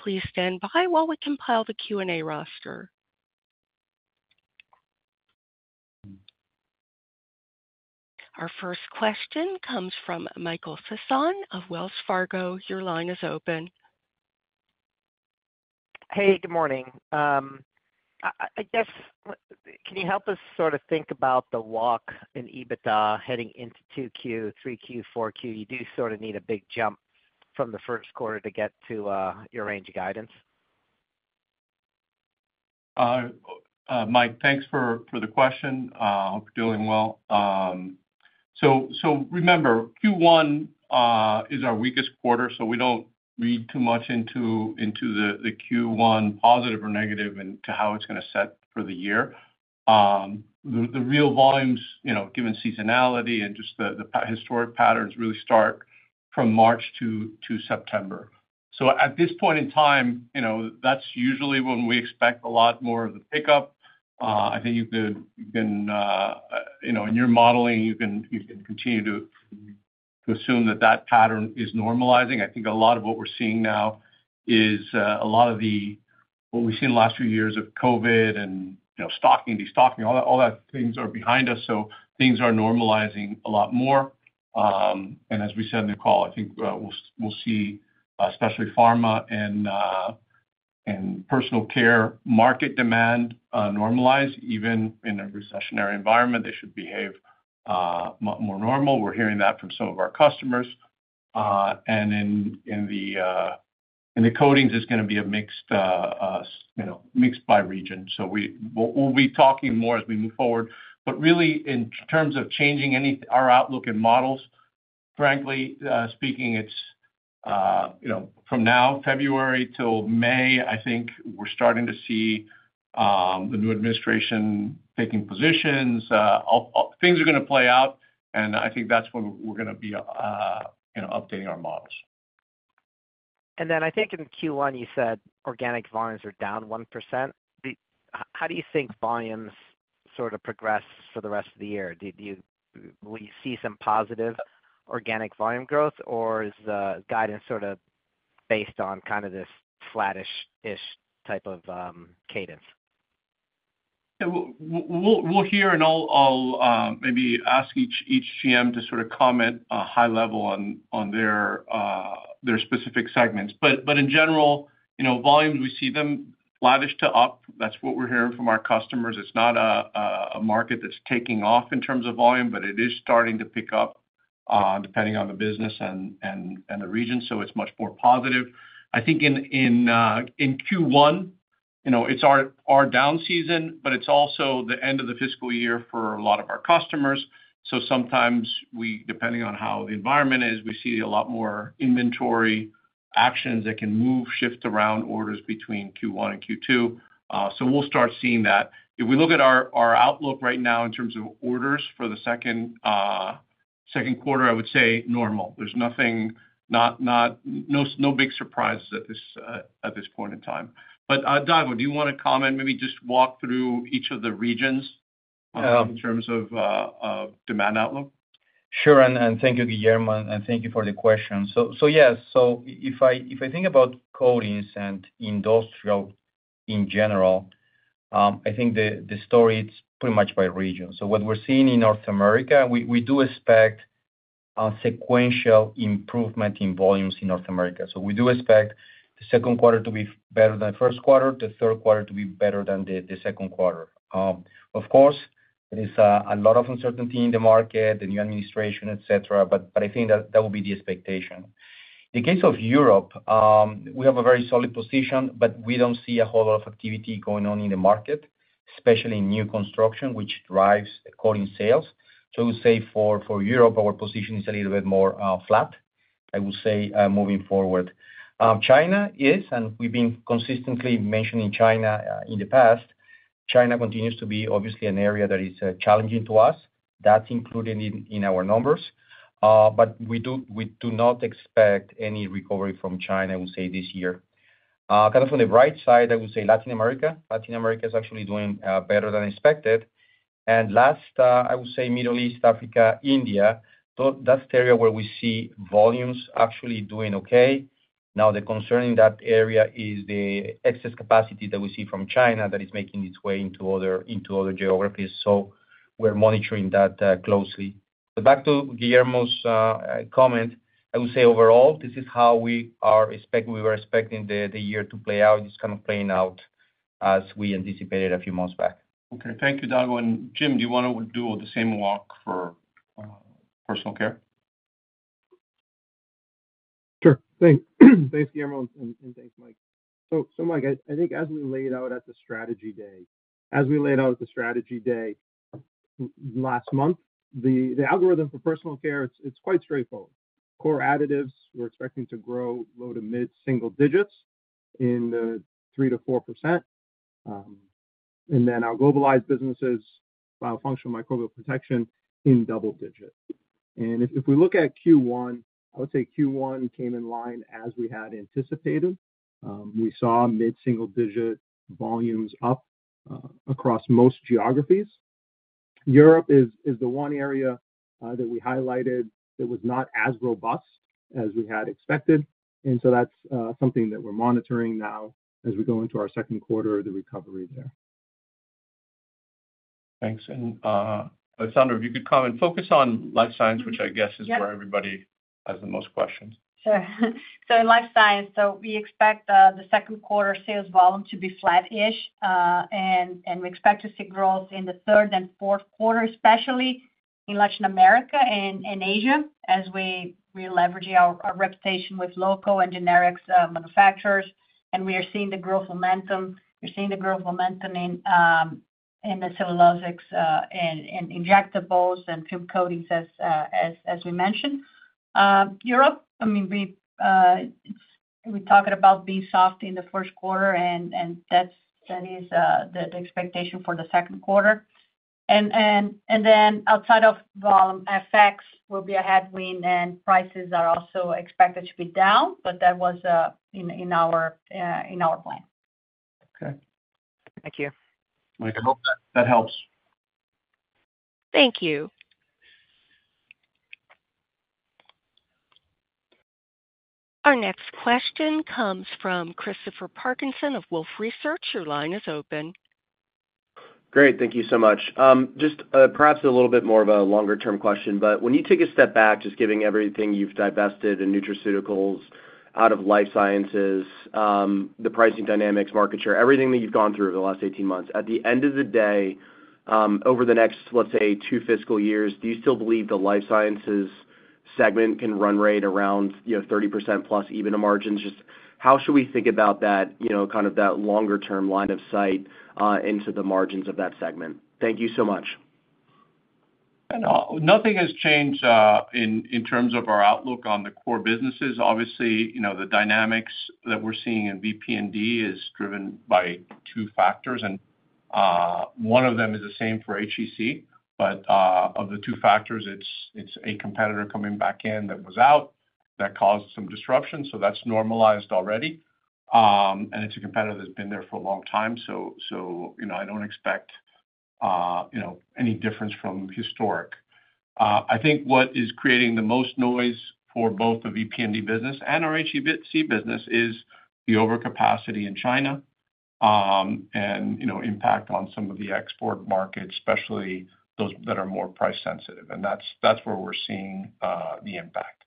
Please stand by while we compile the Q&A roster. Our first question comes from Michael Sison of Wells Fargo. Your line is open. Hey, good morning. I guess, can you help us sort of think about the walk in EBITDA heading into Q2, Q3, Q4? You do sort of need a big jump from the first quarter to get to your range of guidance. Mike, thanks for the question. I hope you're doing well. So remember, Q1 is our weakest quarter, so we don't read too much into the Q1 positive or negative and to how it's going to set for the year. The real volumes, given seasonality and just the historic patterns, really start from March to September. So at this point in time, that's usually when we expect a lot more of the pickup. I think you can, in your modeling, you can continue to assume that that pattern is normalizing. I think a lot of what we're seeing now is a lot of the what we've seen the last few years of COVID and stocking, de-stocking, all that things are behind us. So things are normalizing a lot more. And as we said in the call, I think we'll see, especially pharma and personal care market demand normalize, even in a recessionary environment. They should behave more normal. We're hearing that from some of our customers. And in the coatings, it's going to be a mixed-by region. So we'll be talking more as we move forward. But really, in terms of changing our outlook and models, frankly speaking, from now, February till May, I think we're starting to see the new administration taking positions. Things are going to play out, and I think that's when we're going to be updating our models. And then I think in Q1, you said organic volumes are down 1%. How do you think volumes sort of progress for the rest of the year? Will you see some positive organic volume growth, or is the guidance sort of based on kind of this flatish-ish type of cadence? We'll hear, and I'll maybe ask each GM to sort of comment high level on their specific segments, but in general, volumes, we see them flatish to up. That's what we're hearing from our customers. It's not a market that's taking off in terms of volume, but it is starting to pick up depending on the business and the region. So it's much more positive. I think in Q1, it's our down season, but it's also the end of the fiscal year for a lot of our customers. So sometimes, depending on how the environment is, we see a lot more inventory actions that can move, shift around orders between Q1 and Q2. So we'll start seeing that. If we look at our outlook right now in terms of orders for the second quarter, I would say normal. There's no big surprises at this point in time. But Dago, do you want to comment, maybe just walk through each of the regions in terms of demand outlook? Sure. And thank you, Guillermo. And thank you for the question. So yes, so if I think about coatings and industrial in general, I think the story is pretty much by region. So what we're seeing in North America, we do expect sequential improvement in volumes in North America. So we do expect the second quarter to be better than the first quarter, the third quarter to be better than the second quarter. Of course, there is a lot of uncertainty in the market, the new administration, etc., but I think that will be the expectation. In the case of Europe, we have a very solid position, but we don't see a whole lot of activity going on in the market, especially in new construction, which drives coating sales. So I would say for Europe, our position is a little bit more flat, I would say, moving forward. China is, and we've been consistently mentioning China in the past. China continues to be, obviously, an area that is challenging to us. That's included in our numbers. But we do not expect any recovery from China, I would say, this year. Kind of on the bright side, I would say Latin America. Latin America is actually doing better than expected. And last, I would say, Middle East, Africa, India, that's the area where we see volumes actually doing okay. Now, the concern in that area is the excess capacity that we see from China that is making its way into other geographies. So we're monitoring that closely. But back to Guillermo's comment, I would say overall, this is how we were expecting the year to play out. It's kind of playing out as we anticipated a few months back. Okay. Thank you, Dago. And Jim, do you want to do the same walk for personal care? Sure. Thanks, Guillermo, and thanks, Mike. So Mike, I think as we laid out at the Strategy Day, as we laid out at the Strategy Day last month, the algorithm for Personal Care, it's quite straightforward. Core additives, we're expecting to grow low- to mid-single digits, 3%-4%. And then our globalized businesses, biofunctional microbial protection in double digits. And if we look at Q1, I would say Q1 came in line as we had anticipated. We saw mid-single-digit volumes up across most geographies. Europe is the one area that we highlighted that was not as robust as we had expected. And so that's something that we're monitoring now as we go into our second quarter, the recovery there. Thanks. And Alessandra, if you could comment, focus on Life Sciences, which I guess is where everybody has the most questions. So in Life Sciences, we expect the second quarter sales volume to be flatish, and we expect to see growth in the third and fourth quarter, especially in Latin America and Asia, as we leverage our reputation with local and generic manufacturers. And we are seeing the growth momentum. We're seeing the growth momentum in the cellulosics and injectables, and film coatings, as we mentioned. Europe, I mean, we talked about being soft in the first quarter, and that is the expectation for the second quarter. And then outside of volume, FX will be a headwind, and prices are also expected to be down, but that was in our plan. Okay. Thank you. Mike, I hope that helps. Thank you. Our next question comes from Christopher Parkinson of Wolfe Research. Your line is open. Great. Thank you so much. Just perhaps a little bit more of a longer-term question, but when you take a step back, just giving everything you've divested in Nutraceuticals, out of Life Sciences, the pricing dynamics, market share, everything that you've gone through over the last 18 months, at the end of the day, over the next, let's say, two fiscal years, do you still believe the Life Sciences segment can run right around 30%+ even a margin? Just how should we think about that, kind of that longer-term line of sight into the margins of that segment? Thank you so much. Nothing has changed in terms of our outlook on the core businesses. Obviously, the dynamics that we're seeing in VP&D is driven by two factors. And one of them is the same for HEC, but of the two factors, it's a competitor coming back in that was out that caused some disruption. So that's normalized already, and it's a competitor that's been there for a long time, so I don't expect any difference from historic. I think what is creating the most noise for both the VP&D business and our HEC business is the overcapacity in China and impact on some of the export markets, especially those that are more price sensitive, and that's where we're seeing the impact,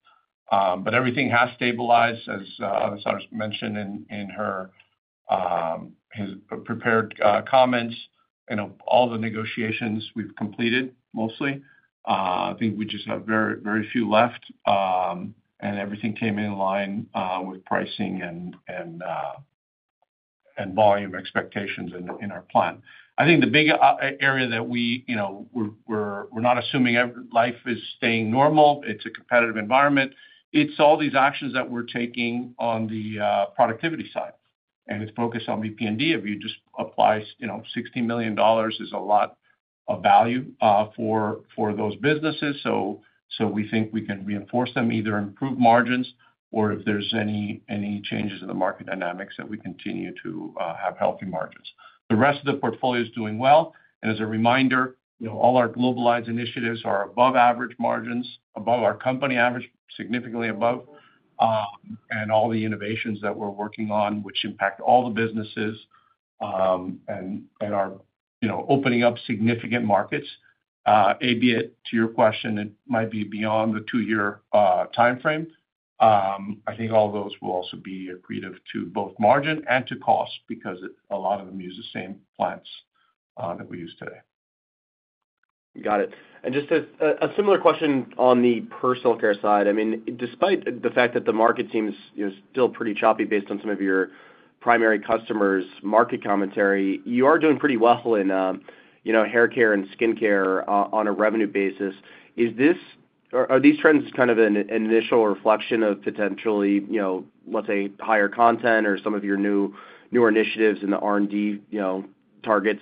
but everything has stabilized, as Alessandra mentioned in her prepared comments. All the negotiations we've completed, mostly. I think we just have very few left, and everything came in line with pricing and volume expectations in our plan. I think the big area that we're not assuming Life Sciences is staying normal. It's a competitive environment. It's all these actions that we're taking on the productivity side, and it's focused on VP&D. If you just apply $60 million, there's a lot of value for those businesses, so we think we can reinforce them, either improve margins or if there's any changes in the market dynamics that we continue to have healthy margins. The rest of the portfolio is doing well, and as a reminder, all our globalized initiatives are above average margins, above our company average, significantly above. And all the innovations that we're working on, which impact all the businesses and are opening up significant markets. A, B, to your question, it might be beyond the two-year timeframe. I think all those will also be accretive to both margin and to cost because a lot of them use the same plants that we use today. Got it, and just a similar question on the personal care side. I mean, despite the fact that the market seems still pretty choppy based on some of your primary customers' market commentary, you are doing pretty well in hair care and skincare on a revenue basis. Are these trends kind of an initial reflection of potentially, let's say, higher content or some of your newer initiatives in the R&D targets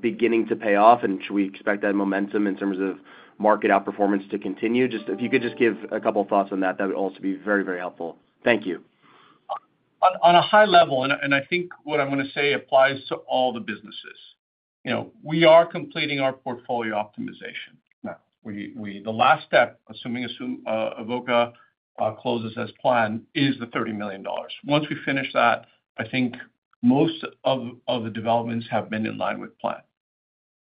beginning to pay off? And should we expect that momentum in terms of market outperformance to continue? Just if you could just give a couple of thoughts on that, that would also be very, very helpful. Thank you. On a high level, and I think what I'm going to say applies to all the businesses. We are completing our portfolio optimization now. The last step, assuming Avoca closes as planned, is the $30 million. Once we finish that, I think most of the developments have been in line with plan.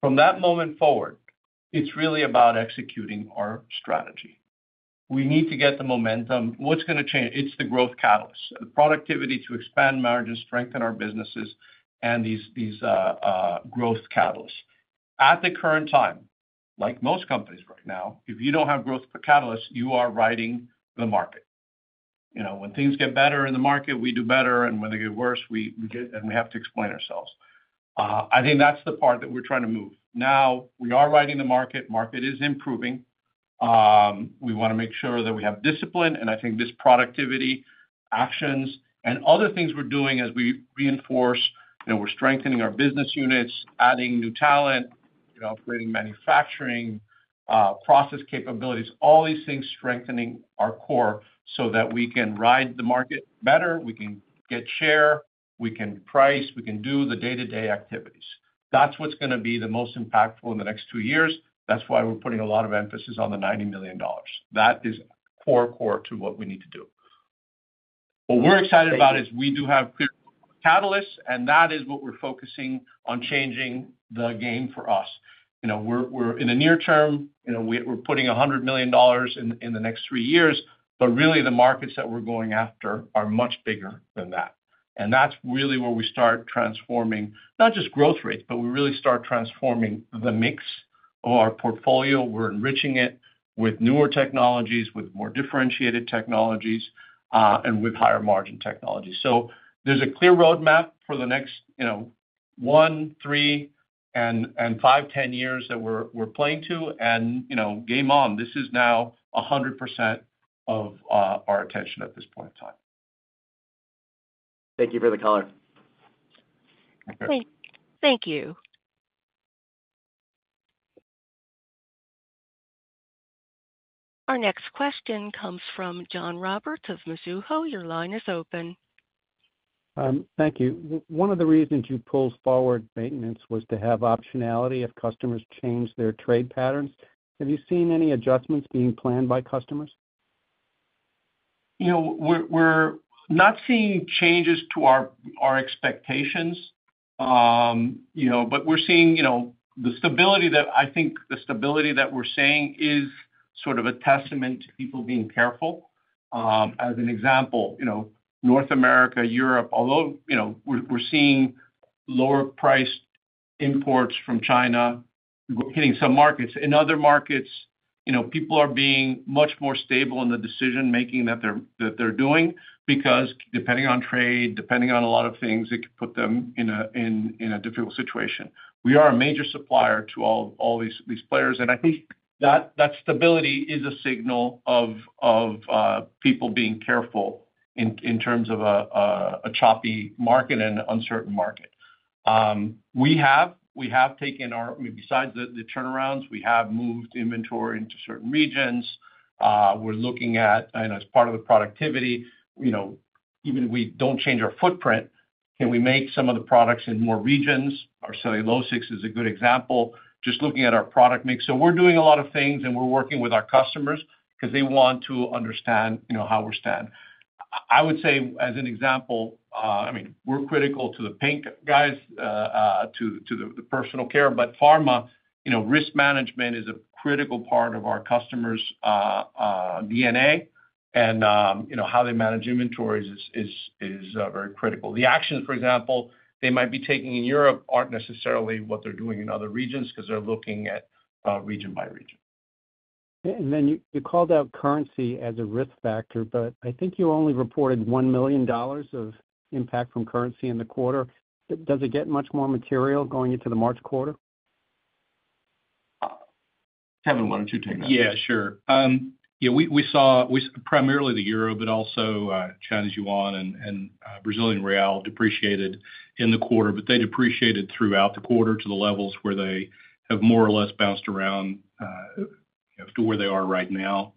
From that moment forward, it's really about executing our strategy. We need to get the momentum. What's going to change? It's the growth catalyst, the productivity to expand margins, strengthen our businesses, and these growth catalysts. At the current time, like most companies right now, if you don't have growth catalysts, you are riding the market. When things get better in the market, we do better. And when they get worse, we have to explain ourselves. I think that's the part that we're trying to move. Now, we are riding the market. Market is improving. We want to make sure that we have discipline. And I think this productivity, actions, and other things we're doing as we reinforce, we're strengthening our business units, adding new talent, upgrading manufacturing, process capabilities, all these things, strengthening our core so that we can ride the market better. We can get share. We can price. We can do the day-to-day activities. That's what's going to be the most impactful in the next two years. That's why we're putting a lot of emphasis on the $90 million. That is core, core to what we need to do. What we're excited about is we do have clear catalysts, and that is what we're focusing on changing the game for us. We're in the near term. We're putting $100 million in the next three years. But really, the markets that we're going after are much bigger than that, and that's really where we start transforming not just growth rates, but we really start transforming the mix of our portfolio. We're enriching it with newer technologies, with more differentiated technologies, and with higher margin technologies. So there's a clear roadmap for the next one, three, and five, ten years that we're playing to, and game on. This is now 100% of our attention at this point in time. Thank you for the color. Thank you. Our next question comes from John Roberts of Mizuho. Your line is open. Thank you. One of the reasons you pulled forward maintenance was to have optionality if customers change their trade patterns. Have you seen any adjustments being planned by customers? We're not seeing changes to our expectations, but we're seeing the stability that I think we're seeing is sort of a testament to people being careful. As an example, North America, Europe, although we're seeing lower-priced imports from China hitting some markets. In other markets, people are being much more stable in the decision-making that they're doing because depending on trade, depending on a lot of things, it could put them in a difficult situation. We are a major supplier to all these players. I think that stability is a signal of people being careful in terms of a choppy market and an uncertain market. We have taken ours besides the turnarounds. We have moved inventory into certain regions. We're looking at, as part of the productivity, even if we don't change our footprint, can we make some of the products in more regions? Our cellulosics is a good example. Just looking at our product mix. So we're doing a lot of things, and we're working with our customers because they want to understand how we're standing. I would say, as an example, I mean, we're critical to the paint guys, to the personal care, but pharma risk management is a critical part of our customers' DNA. How they manage inventories is very critical. The actions, for example, they might be taking in Europe aren't necessarily what they're doing in other regions because they're looking at region by region. Okay. And then you called out currency as a risk factor, but I think you only reported $1 million of impact from currency in the quarter. Does it get much more material going into the March quarter? Kevin, why don't you take that? Yeah, sure. Yeah. We saw primarily the euro, but also Chinese yuan and Brazilian real depreciated in the quarter, but they depreciated throughout the quarter to the levels where they have more or less bounced around to where they are right now.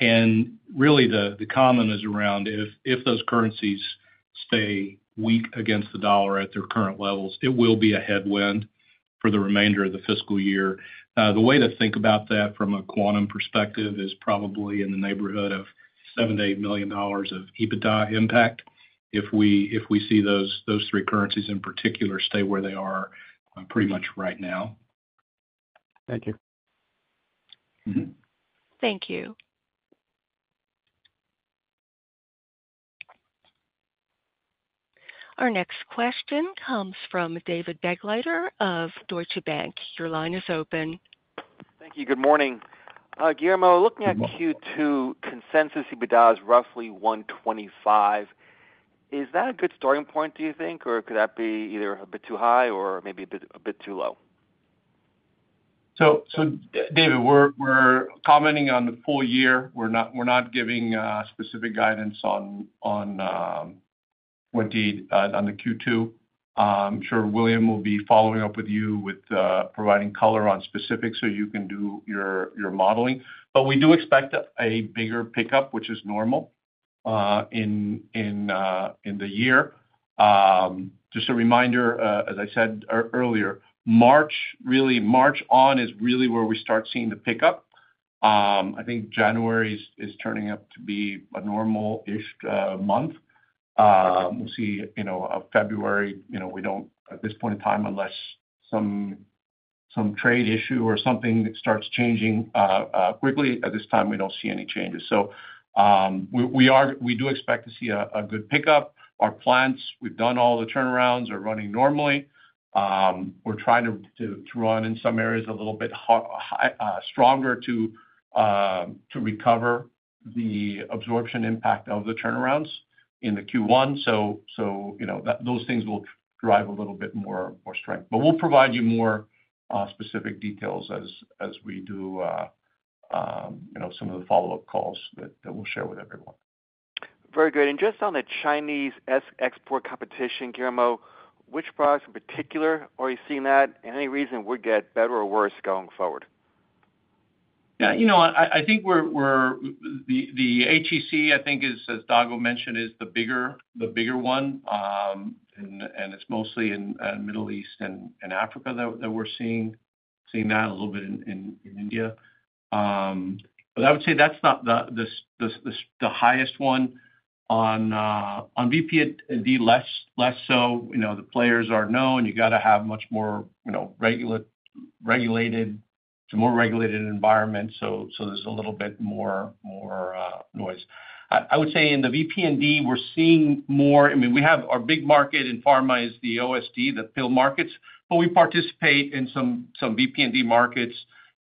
And really, the concern is around if those currencies stay weak against the dollar at their current levels, it will be a headwind for the remainder of the fiscal year. The way to think about that from a quantum perspective is probably in the neighborhood of $7 million-$8 million of EBITDA impact if we see those three currencies in particular stay where they are pretty much right now. Thank you. Thank you. Our next question comes from David Begleiter of Deutsche Bank. Your line is open. Thank you. Good morning. Guillermo, looking at Q2 consensus EBITDA is roughly $125 million. Is that a good starting point, do you think, or could that be either a bit too high or maybe a bit too low? So David, we're commenting on the full year. We're not giving specific guidance on the Q2. I'm sure William will be following up with you providing color on specifics so you can do your modeling. But we do expect a bigger pickup, which is normal in the year. Just a reminder, as I said earlier, really March on is really where we start seeing the pickup. I think January is turning up to be a normal-ish month. We'll see February. We don't, at this point in time, unless some trade issue or something starts changing quickly. At this time, we don't see any changes. So we do expect to see a good pickup. Our plants, we've done all the turnarounds, are running normally. We're trying to run in some areas a little bit stronger to recover the absorption impact of the turnarounds in the Q1. So those things will drive a little bit more strength. But we'll provide you more specific details as we do some of the follow-up calls that we'll share with everyone. Very good. And just on the Chinese export competition, Guillermo, which products in particular are you seeing that? And any reason would get better or worse going forward? Yeah. I think the HEC, I think, as Dago mentioned, is the bigger one. And it's mostly in the Middle East and Africa that we're seeing that, a little bit in India. But I would say that's the highest one. On VP&D, less so. The players are known. You got to have much more regulated; it's a more regulated environment. So there's a little bit more noise. I would say in the VP&D, we're seeing more. I mean, we have our big market in pharma is the OSD, the pill markets. But we participate in some VP&D markets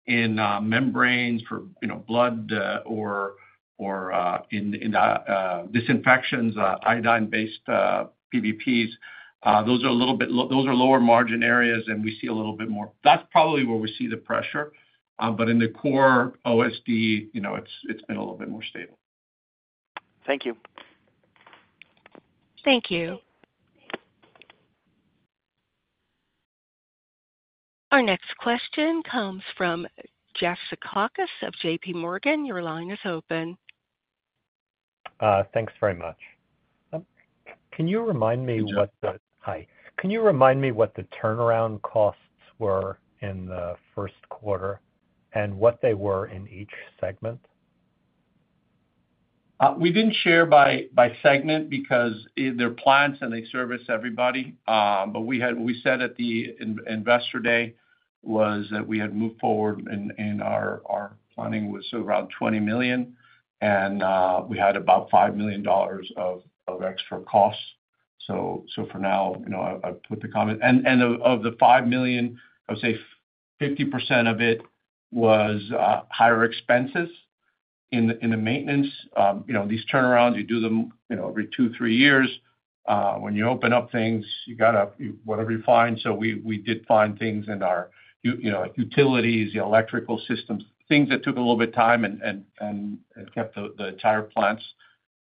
in membranes for blood or in disinfections, iodine-based PVPs. Those are a little bit lower margin areas, and we see a little bit more. That's probably where we see the pressure. But in the core OSD, it's been a little bit more stable. Thank you. Thank you. Our next question comes from Jeff Zekauskas of JPMorgan. Your line is open. Thanks very much. Can you remind me what the turnaround costs were in the first quarter and what they were in each segment? We didn't share by segment because they're plants and they service everybody. But we said at the investor day was that we had moved forward and our planning was around $20 million. And we had about $5 million of extra costs. So for now, I put the comment. And of the $5 million, I would say 50% of it was higher expenses in the maintenance. These turnarounds, you do them every two, three years. When you open up things, you got to whatever you find. So we did find things in our utilities, the electrical systems, things that took a little bit of time and kept the entire plants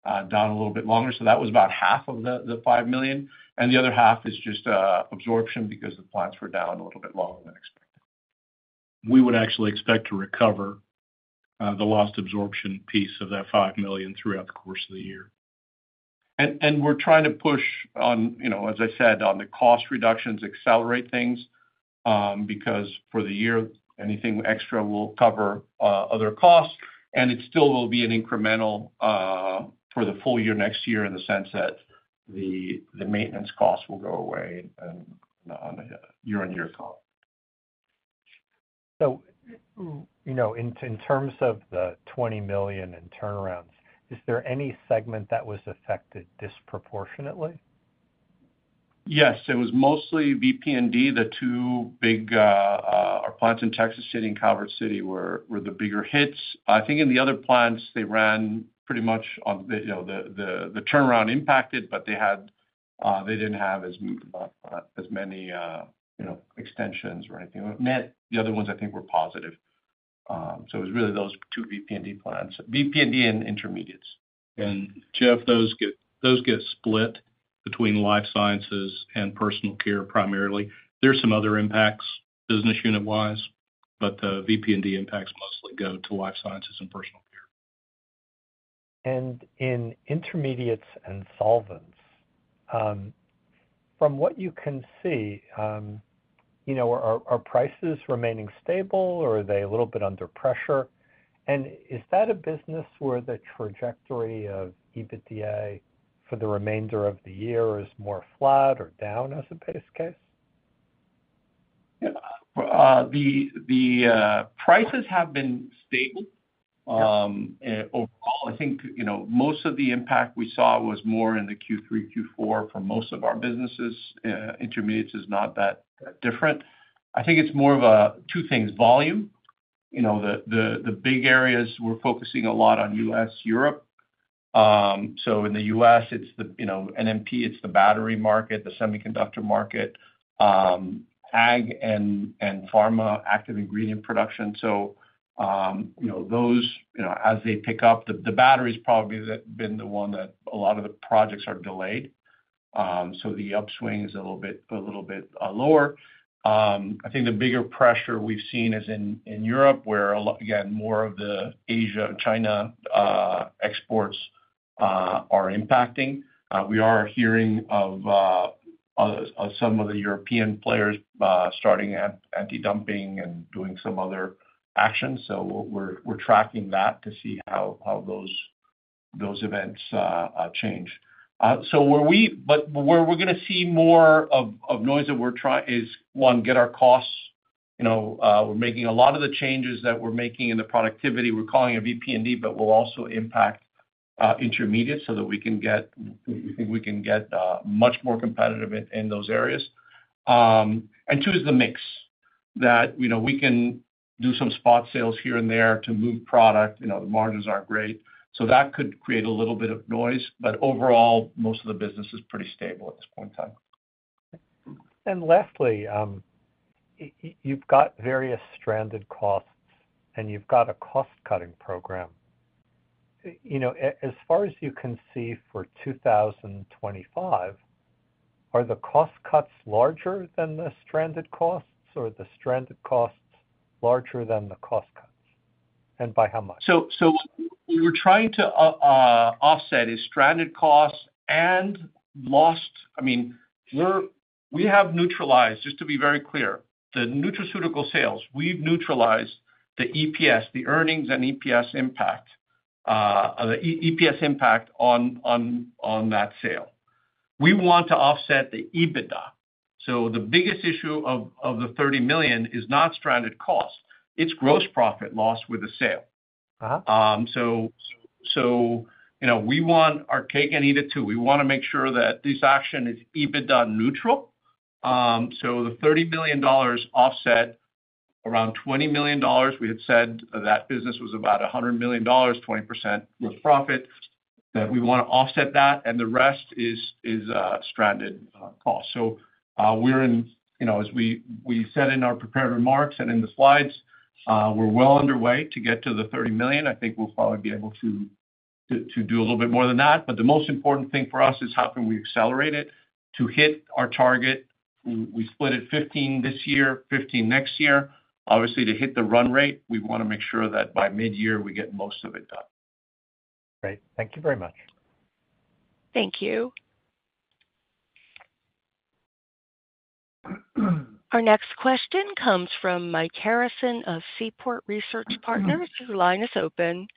down a little bit longer. So that was about half of the $5 million. And the other half is just absorption because the plants were down a little bit longer than expected. We would actually expect to recover the lost absorption piece of that $5 million throughout the course of the year. And we're trying to push on, as I said, on the cost reductions, accelerate things because for the year, anything extra will cover other costs. And it still will be an incremental for the full year next year in the sense that the maintenance costs will go away on a year-on-year comp. So in terms of the $20 million in turnarounds, is there any segment that was affected disproportionately? Yes. It was mostly VP&D. The two big our plants in Texas City and Calvert City were the bigger hits. I think in the other plants, they ran pretty much on the turnaround impacted, but they didn't have as many extensions or anything. The other ones, I think, were positive. It was really those two VP&D plants, VP&D and Intermediates. And Jeff, those get split between Life Sciences and Personal Care primarily. There is some other impacts business unit-wise, but the VP&D impacts mostly go to Life Sciences and Personal Care. And in Intermediates and solvents, from what you can see, are prices remaining stable or are they a little bit under pressure? And is that a business where the trajectory of EBITDA for the remainder of the year is more flat or down as a base case? The prices have been stable overall. I think most of the impact we saw was more in the Q3, Q4 for most of our businesses. Intermediates is not that different. I think it's more of two things: volume. The big areas we're focusing a lot on U.S., Europe. So in the U.S., it's the NMP, it's the battery market, the semiconductor market, ag and pharma, active ingredient production. So those, as they pick up, the battery has probably been the one that a lot of the projects are delayed. So the upswing is a little bit lower. I think the bigger pressure we've seen is in Europe, where, again, more of the Asia and China exports are impacting. We are hearing of some of the European players starting anti-dumping and doing some other actions. So we're tracking that to see how those events change. But where we're going to see more of noise that we're trying is, one, get our costs. We're making a lot of the changes that we're making in the productivity. We're calling it VP&D, but we'll also impact intermediates so that we think we can get much more competitive in those areas. And two is the mix that we can do some spot sales here and there to move product. The margins aren't great. So that could create a little bit of noise. But overall, most of the business is pretty stable at this point in time. And lastly, you've got various stranded costs and you've got a cost-cutting program. As far as you can see for 2025, are the cost cuts larger than the stranded costs or the stranded costs larger than the cost cuts? And by how much? So what we were trying to offset is stranded costs and lost. I mean, we have neutralized, just to be very clear, the nutraceutical sales. We've neutralized the EPS, the earnings and EPS impact on that sale. We want to offset the EBITDA. So the biggest issue of the $30 million is not stranded cost. It's gross profit lost with the sale. So we want our cake and eat it too. We want to make sure that this action is EBITDA neutral. So the $30 million offset around $20 million. We had said that business was about $100 million, 20% profit, that we want to offset that. And the rest is stranded cost. So we're in, as we said in our prepared remarks and in the slides, we're well underway to get to the $30 million. I think we'll probably be able to do a little bit more than that. But the most important thing for us is how can we accelerate it to hit our target. We split it 15 this year, 15 next year. Obviously, to hit the run rate, we want to make sure that by mid-year, we get most of it done. Great. Thank you very much. Thank you. Our next question comes from Mike Harrison of Seaport Research Partners. Your line is open.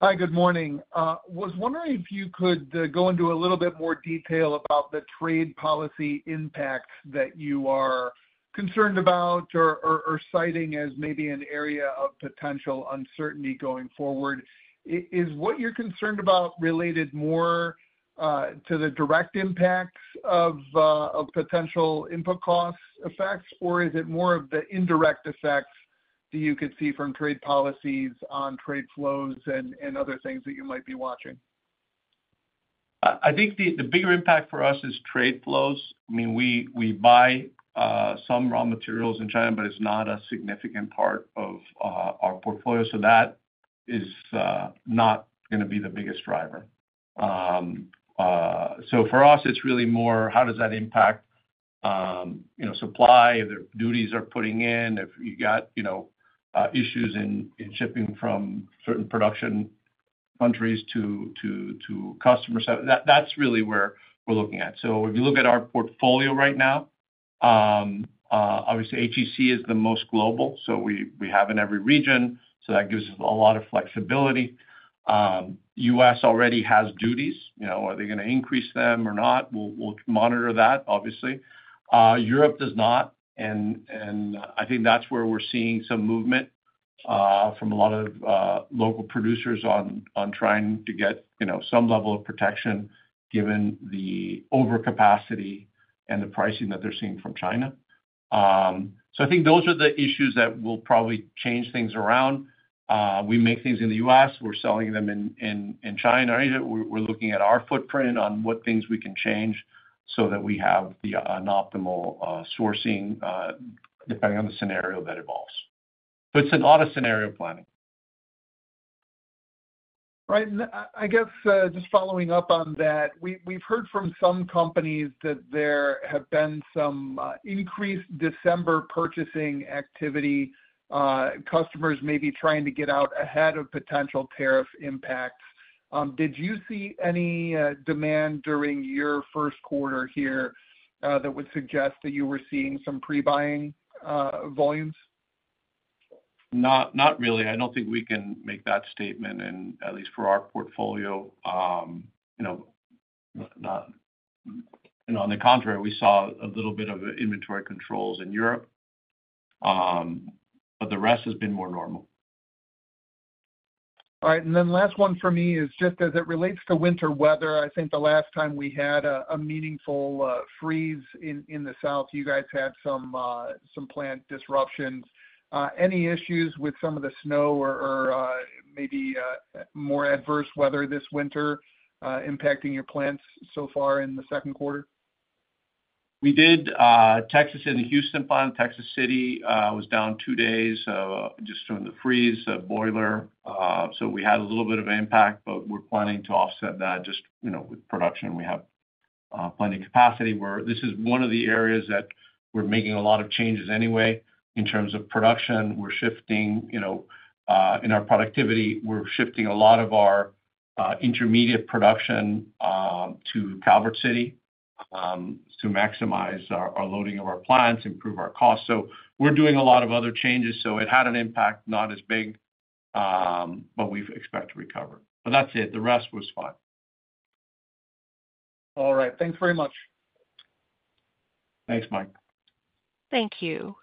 Hi. Good morning. I was wondering if you could go into a little bit more detail about the trade policy impact that you are concerned about or citing as maybe an area of potential uncertainty going forward. Is what you're concerned about related more to the direct impacts of potential input cost effects, or is it more of the indirect effects that you could see from trade policies on trade flows and other things that you might be watching? I think the bigger impact for us is trade flows. I mean, we buy some raw materials in China, but it's not a significant part of our portfolio. So that is not going to be the biggest driver. So for us, it's really more, how does that impact supply, if their duties are putting in, if you got issues in shipping from certain production countries to customers. That's really where we're looking at. So if you look at our portfolio right now, obviously, HEC is the most global. So we have in every region. So that gives us a lot of flexibility. U.S. already has duties. Are they going to increase them or not? We'll monitor that, obviously. Europe does not. And I think that's where we're seeing some movement from a lot of local producers on trying to get some level of protection given the overcapacity and the pricing that they're seeing from China. So I think those are the issues that will probably change things around. We make things in the U.S. We're selling them in China. We're looking at our footprint on what things we can change so that we have an optimal sourcing depending on the scenario that evolves. So it's a lot of scenario planning. Right. I guess just following up on that, we've heard from some companies that there have been some increased December purchasing activity. Customers may be trying to get out ahead of potential tariff impacts. Did you see any demand during your first quarter here that would suggest that you were seeing some pre-buying volumes? Not really. I don't think we can make that statement, at least for our portfolio. On the contrary, we saw a little bit of inventory controls in Europe. But the rest has been more normal. All right. And then the last one for me is just as it relates to winter weather. I think the last time we had a meaningful freeze in the south, you guys had some plant disruptions. Any issues with some of the snow or maybe more adverse weather this winter impacting your plants so far in the second quarter? We did. Texas and the Houston plant. Texas City was down two days just from the freeze boiler. So we had a little bit of impact, but we're planning to offset that just with production. We have plenty of capacity. This is one of the areas that we're making a lot of changes anyway. In terms of production, we're shifting in our productivity. We're shifting a lot of our intermediate production to Calvert City to maximize our loading of our plants, improve our costs. So we're doing a lot of other changes. So it had an impact, not as big, but we expect to recover. But that's it. The rest was fine. All right. Thanks very much. Thanks, Mike. Thank you.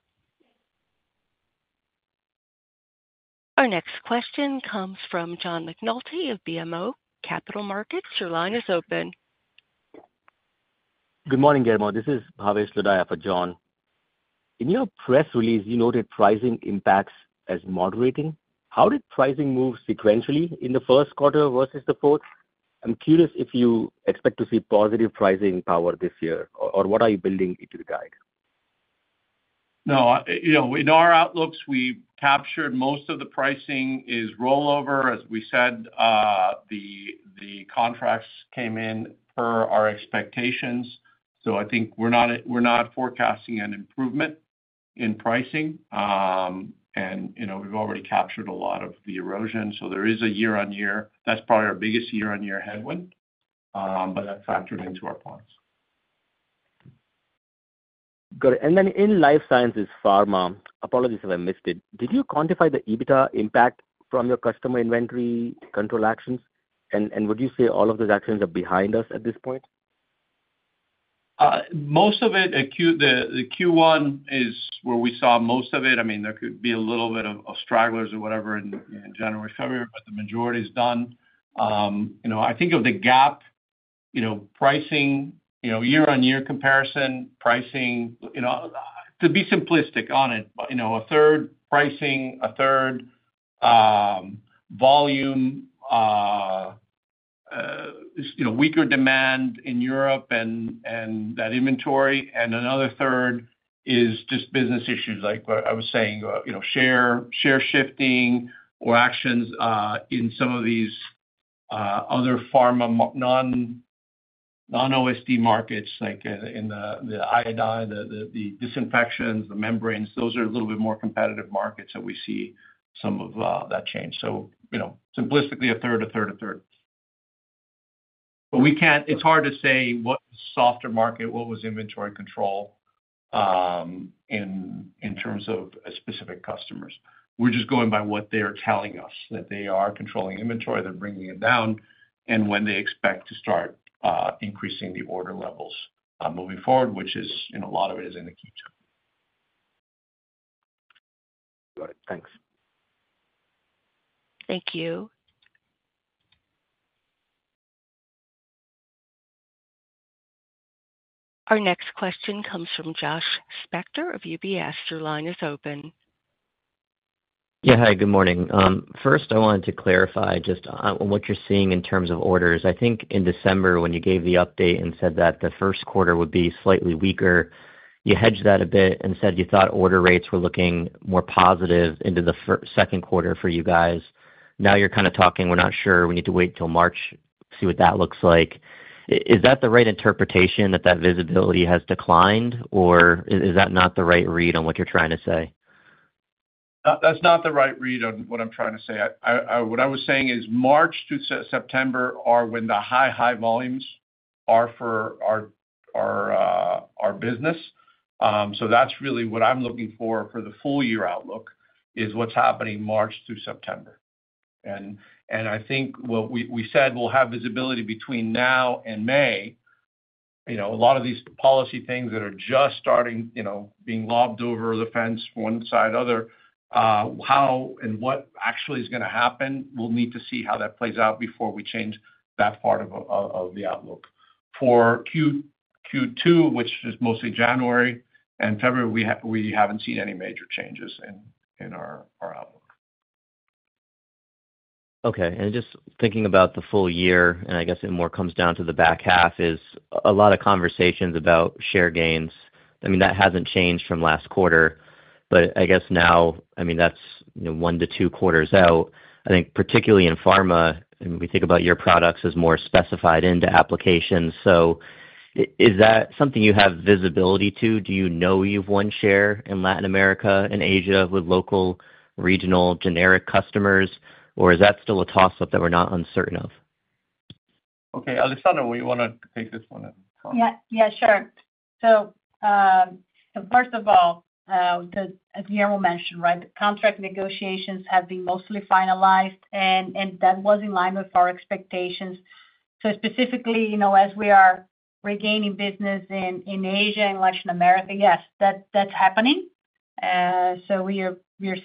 Our next question comes from Javier Escudero of BMO Capital Markets. Your line is open. Good morning, Guillermo. This is Javier Escudero for John. In your press release, you noted pricing impacts as moderating. How did pricing move sequentially in the first quarter versus the fourth? I'm curious if you expect to see positive pricing power this year, or what are you building into the guide? No. In our outlooks, we captured most of the pricing is rollover. As we said, the contracts came in per our expectations. So I think we're not forecasting an improvement in pricing. And we've already captured a lot of the erosion. So there is a year-on-year. That's probably our biggest year-on-year headwind, but that's factored into our plans. Good. And then in life sciences, pharma apologies if I missed it, did you quantify the EBITDA impact from your customer inventory control actions? And would you say all of those actions are behind us at this point? Most of it. The Q1 is where we saw most of it. I mean, there could be a little bit of stragglers or whatever in January and February, but the majority is done. I think of the gap pricing, year-on-year comparison, pricing to be simplistic on it. A third pricing, a third volume, weaker demand in Europe and that inventory. And another third is just business issues, like I was saying, share shifting or actions in some of these other pharma non-OSD markets, like in the iodine, the disinfectants, the membranes. Those are a little bit more competitive markets that we see some of that change. So simplistically, a third, a third, a third. But it's hard to say what was softer market, what was inventory control in terms of specific customers. We're just going by what they are telling us, that they are controlling inventory, they're bringing it down, and when they expect to start increasing the order levels moving forward, which a lot of it is in the Q2. All right. Thanks. Thank you. Our next question comes from Josh Spector of UBS. Your line is open. Yeah. Hi. Good morning. First, I wanted to clarify just on what you're seeing in terms of orders. I think in December, when you gave the update and said that the first quarter would be slightly weaker, you hedged that a bit and said you thought order rates were looking more positive into the second quarter for you guys. Now you're kind of talking, "We're not sure. We need to wait till March, see what that looks like." Is that the right interpretation that that visibility has declined, or is that not the right read on what you're trying to say? That's not the right read on what I'm trying to say. What I was saying is March to September are when the high, high volumes are for our business. So that's really what I'm looking for for the full year outlook is what's happening March to September. And I think what we said, we'll have visibility between now and May. A lot of these policy things that are just starting being lobbed over the fence, one side, other, how and what actually is going to happen, we'll need to see how that plays out before we change that part of the outlook. For Q2, which is mostly January and February, we haven't seen any major changes in our outlook. Okay. And just thinking about the full year, and I guess it more comes down to the back half, is a lot of conversations about share gains. I mean, that hasn't changed from last quarter. But I guess now, I mean, that's one to two quarters out. I think particularly in pharma, I mean, we think about your products as more specified into applications. So is that something you have visibility to? Do you know you've won share in Latin America and Asia with local regional generic customers, or is that still a toss-up that we're not uncertain of? Okay. Alessandra, will you want to take this one? Yeah. Sure. So first of all, as Guillermo mentioned, right, the contract negotiations have been mostly finalized, and that was in line with our expectations. So specifically, as we are regaining business in Asia and Latin America, yes, that's happening. So we are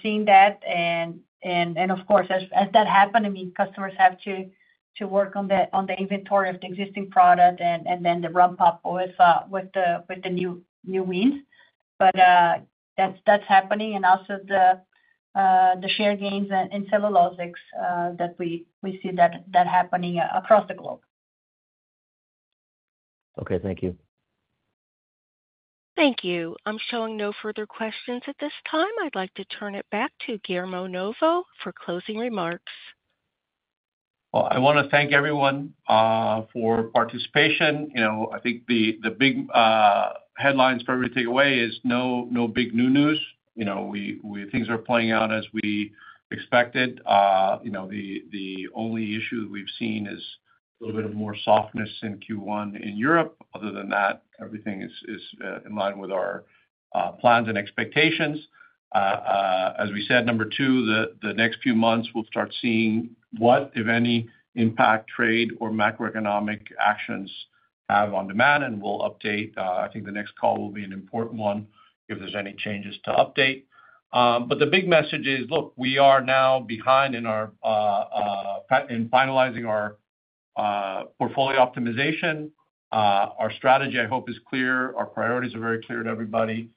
seeing that. And of course, as that happens, I mean, customers have to work on the inventory of the existing product and then the ramp-up with the new wins. But that's happening. And also the share gains in cellulosics that we see happening across the globe. Okay. Thank you. Thank you. I'm showing no further questions at this time. I'd like to turn it back to Guillermo Novo for closing remarks. I want to thank everyone for participation. I think the big headlines for everything today is no big new news. Things are playing out as we expected. The only issue we've seen is a little bit of more softness in Q1 in Europe. Other than that, everything is in line with our plans and expectations. As we said, number two, the next few months, we'll start seeing what, if any, impact trade or macroeconomic actions have on demand, and we'll update. I think the next call will be an important one if there's any changes to update, but the big message is, look, we are now beyond finalizing our portfolio optimization. Our strategy, I hope, is clear. Our priorities are very clear to everybody.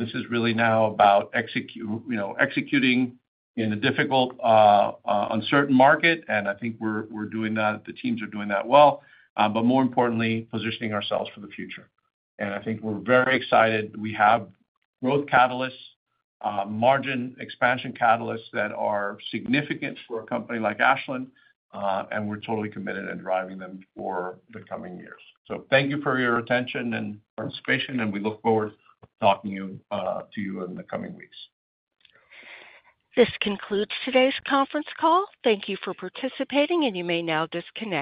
This is really now about executing in a difficult, uncertain market. I think we're doing that. The teams are doing that well. More importantly, positioning ourselves for the future. I think we're very excited. We have growth catalysts, margin expansion catalysts that are significant for a company like Ashland. We're totally committed and driving them for the coming years. Thank you for your attention and participation. We look forward to talking to you in the coming weeks. This concludes today's conference call. Thank you for participating, and you may now disconnect.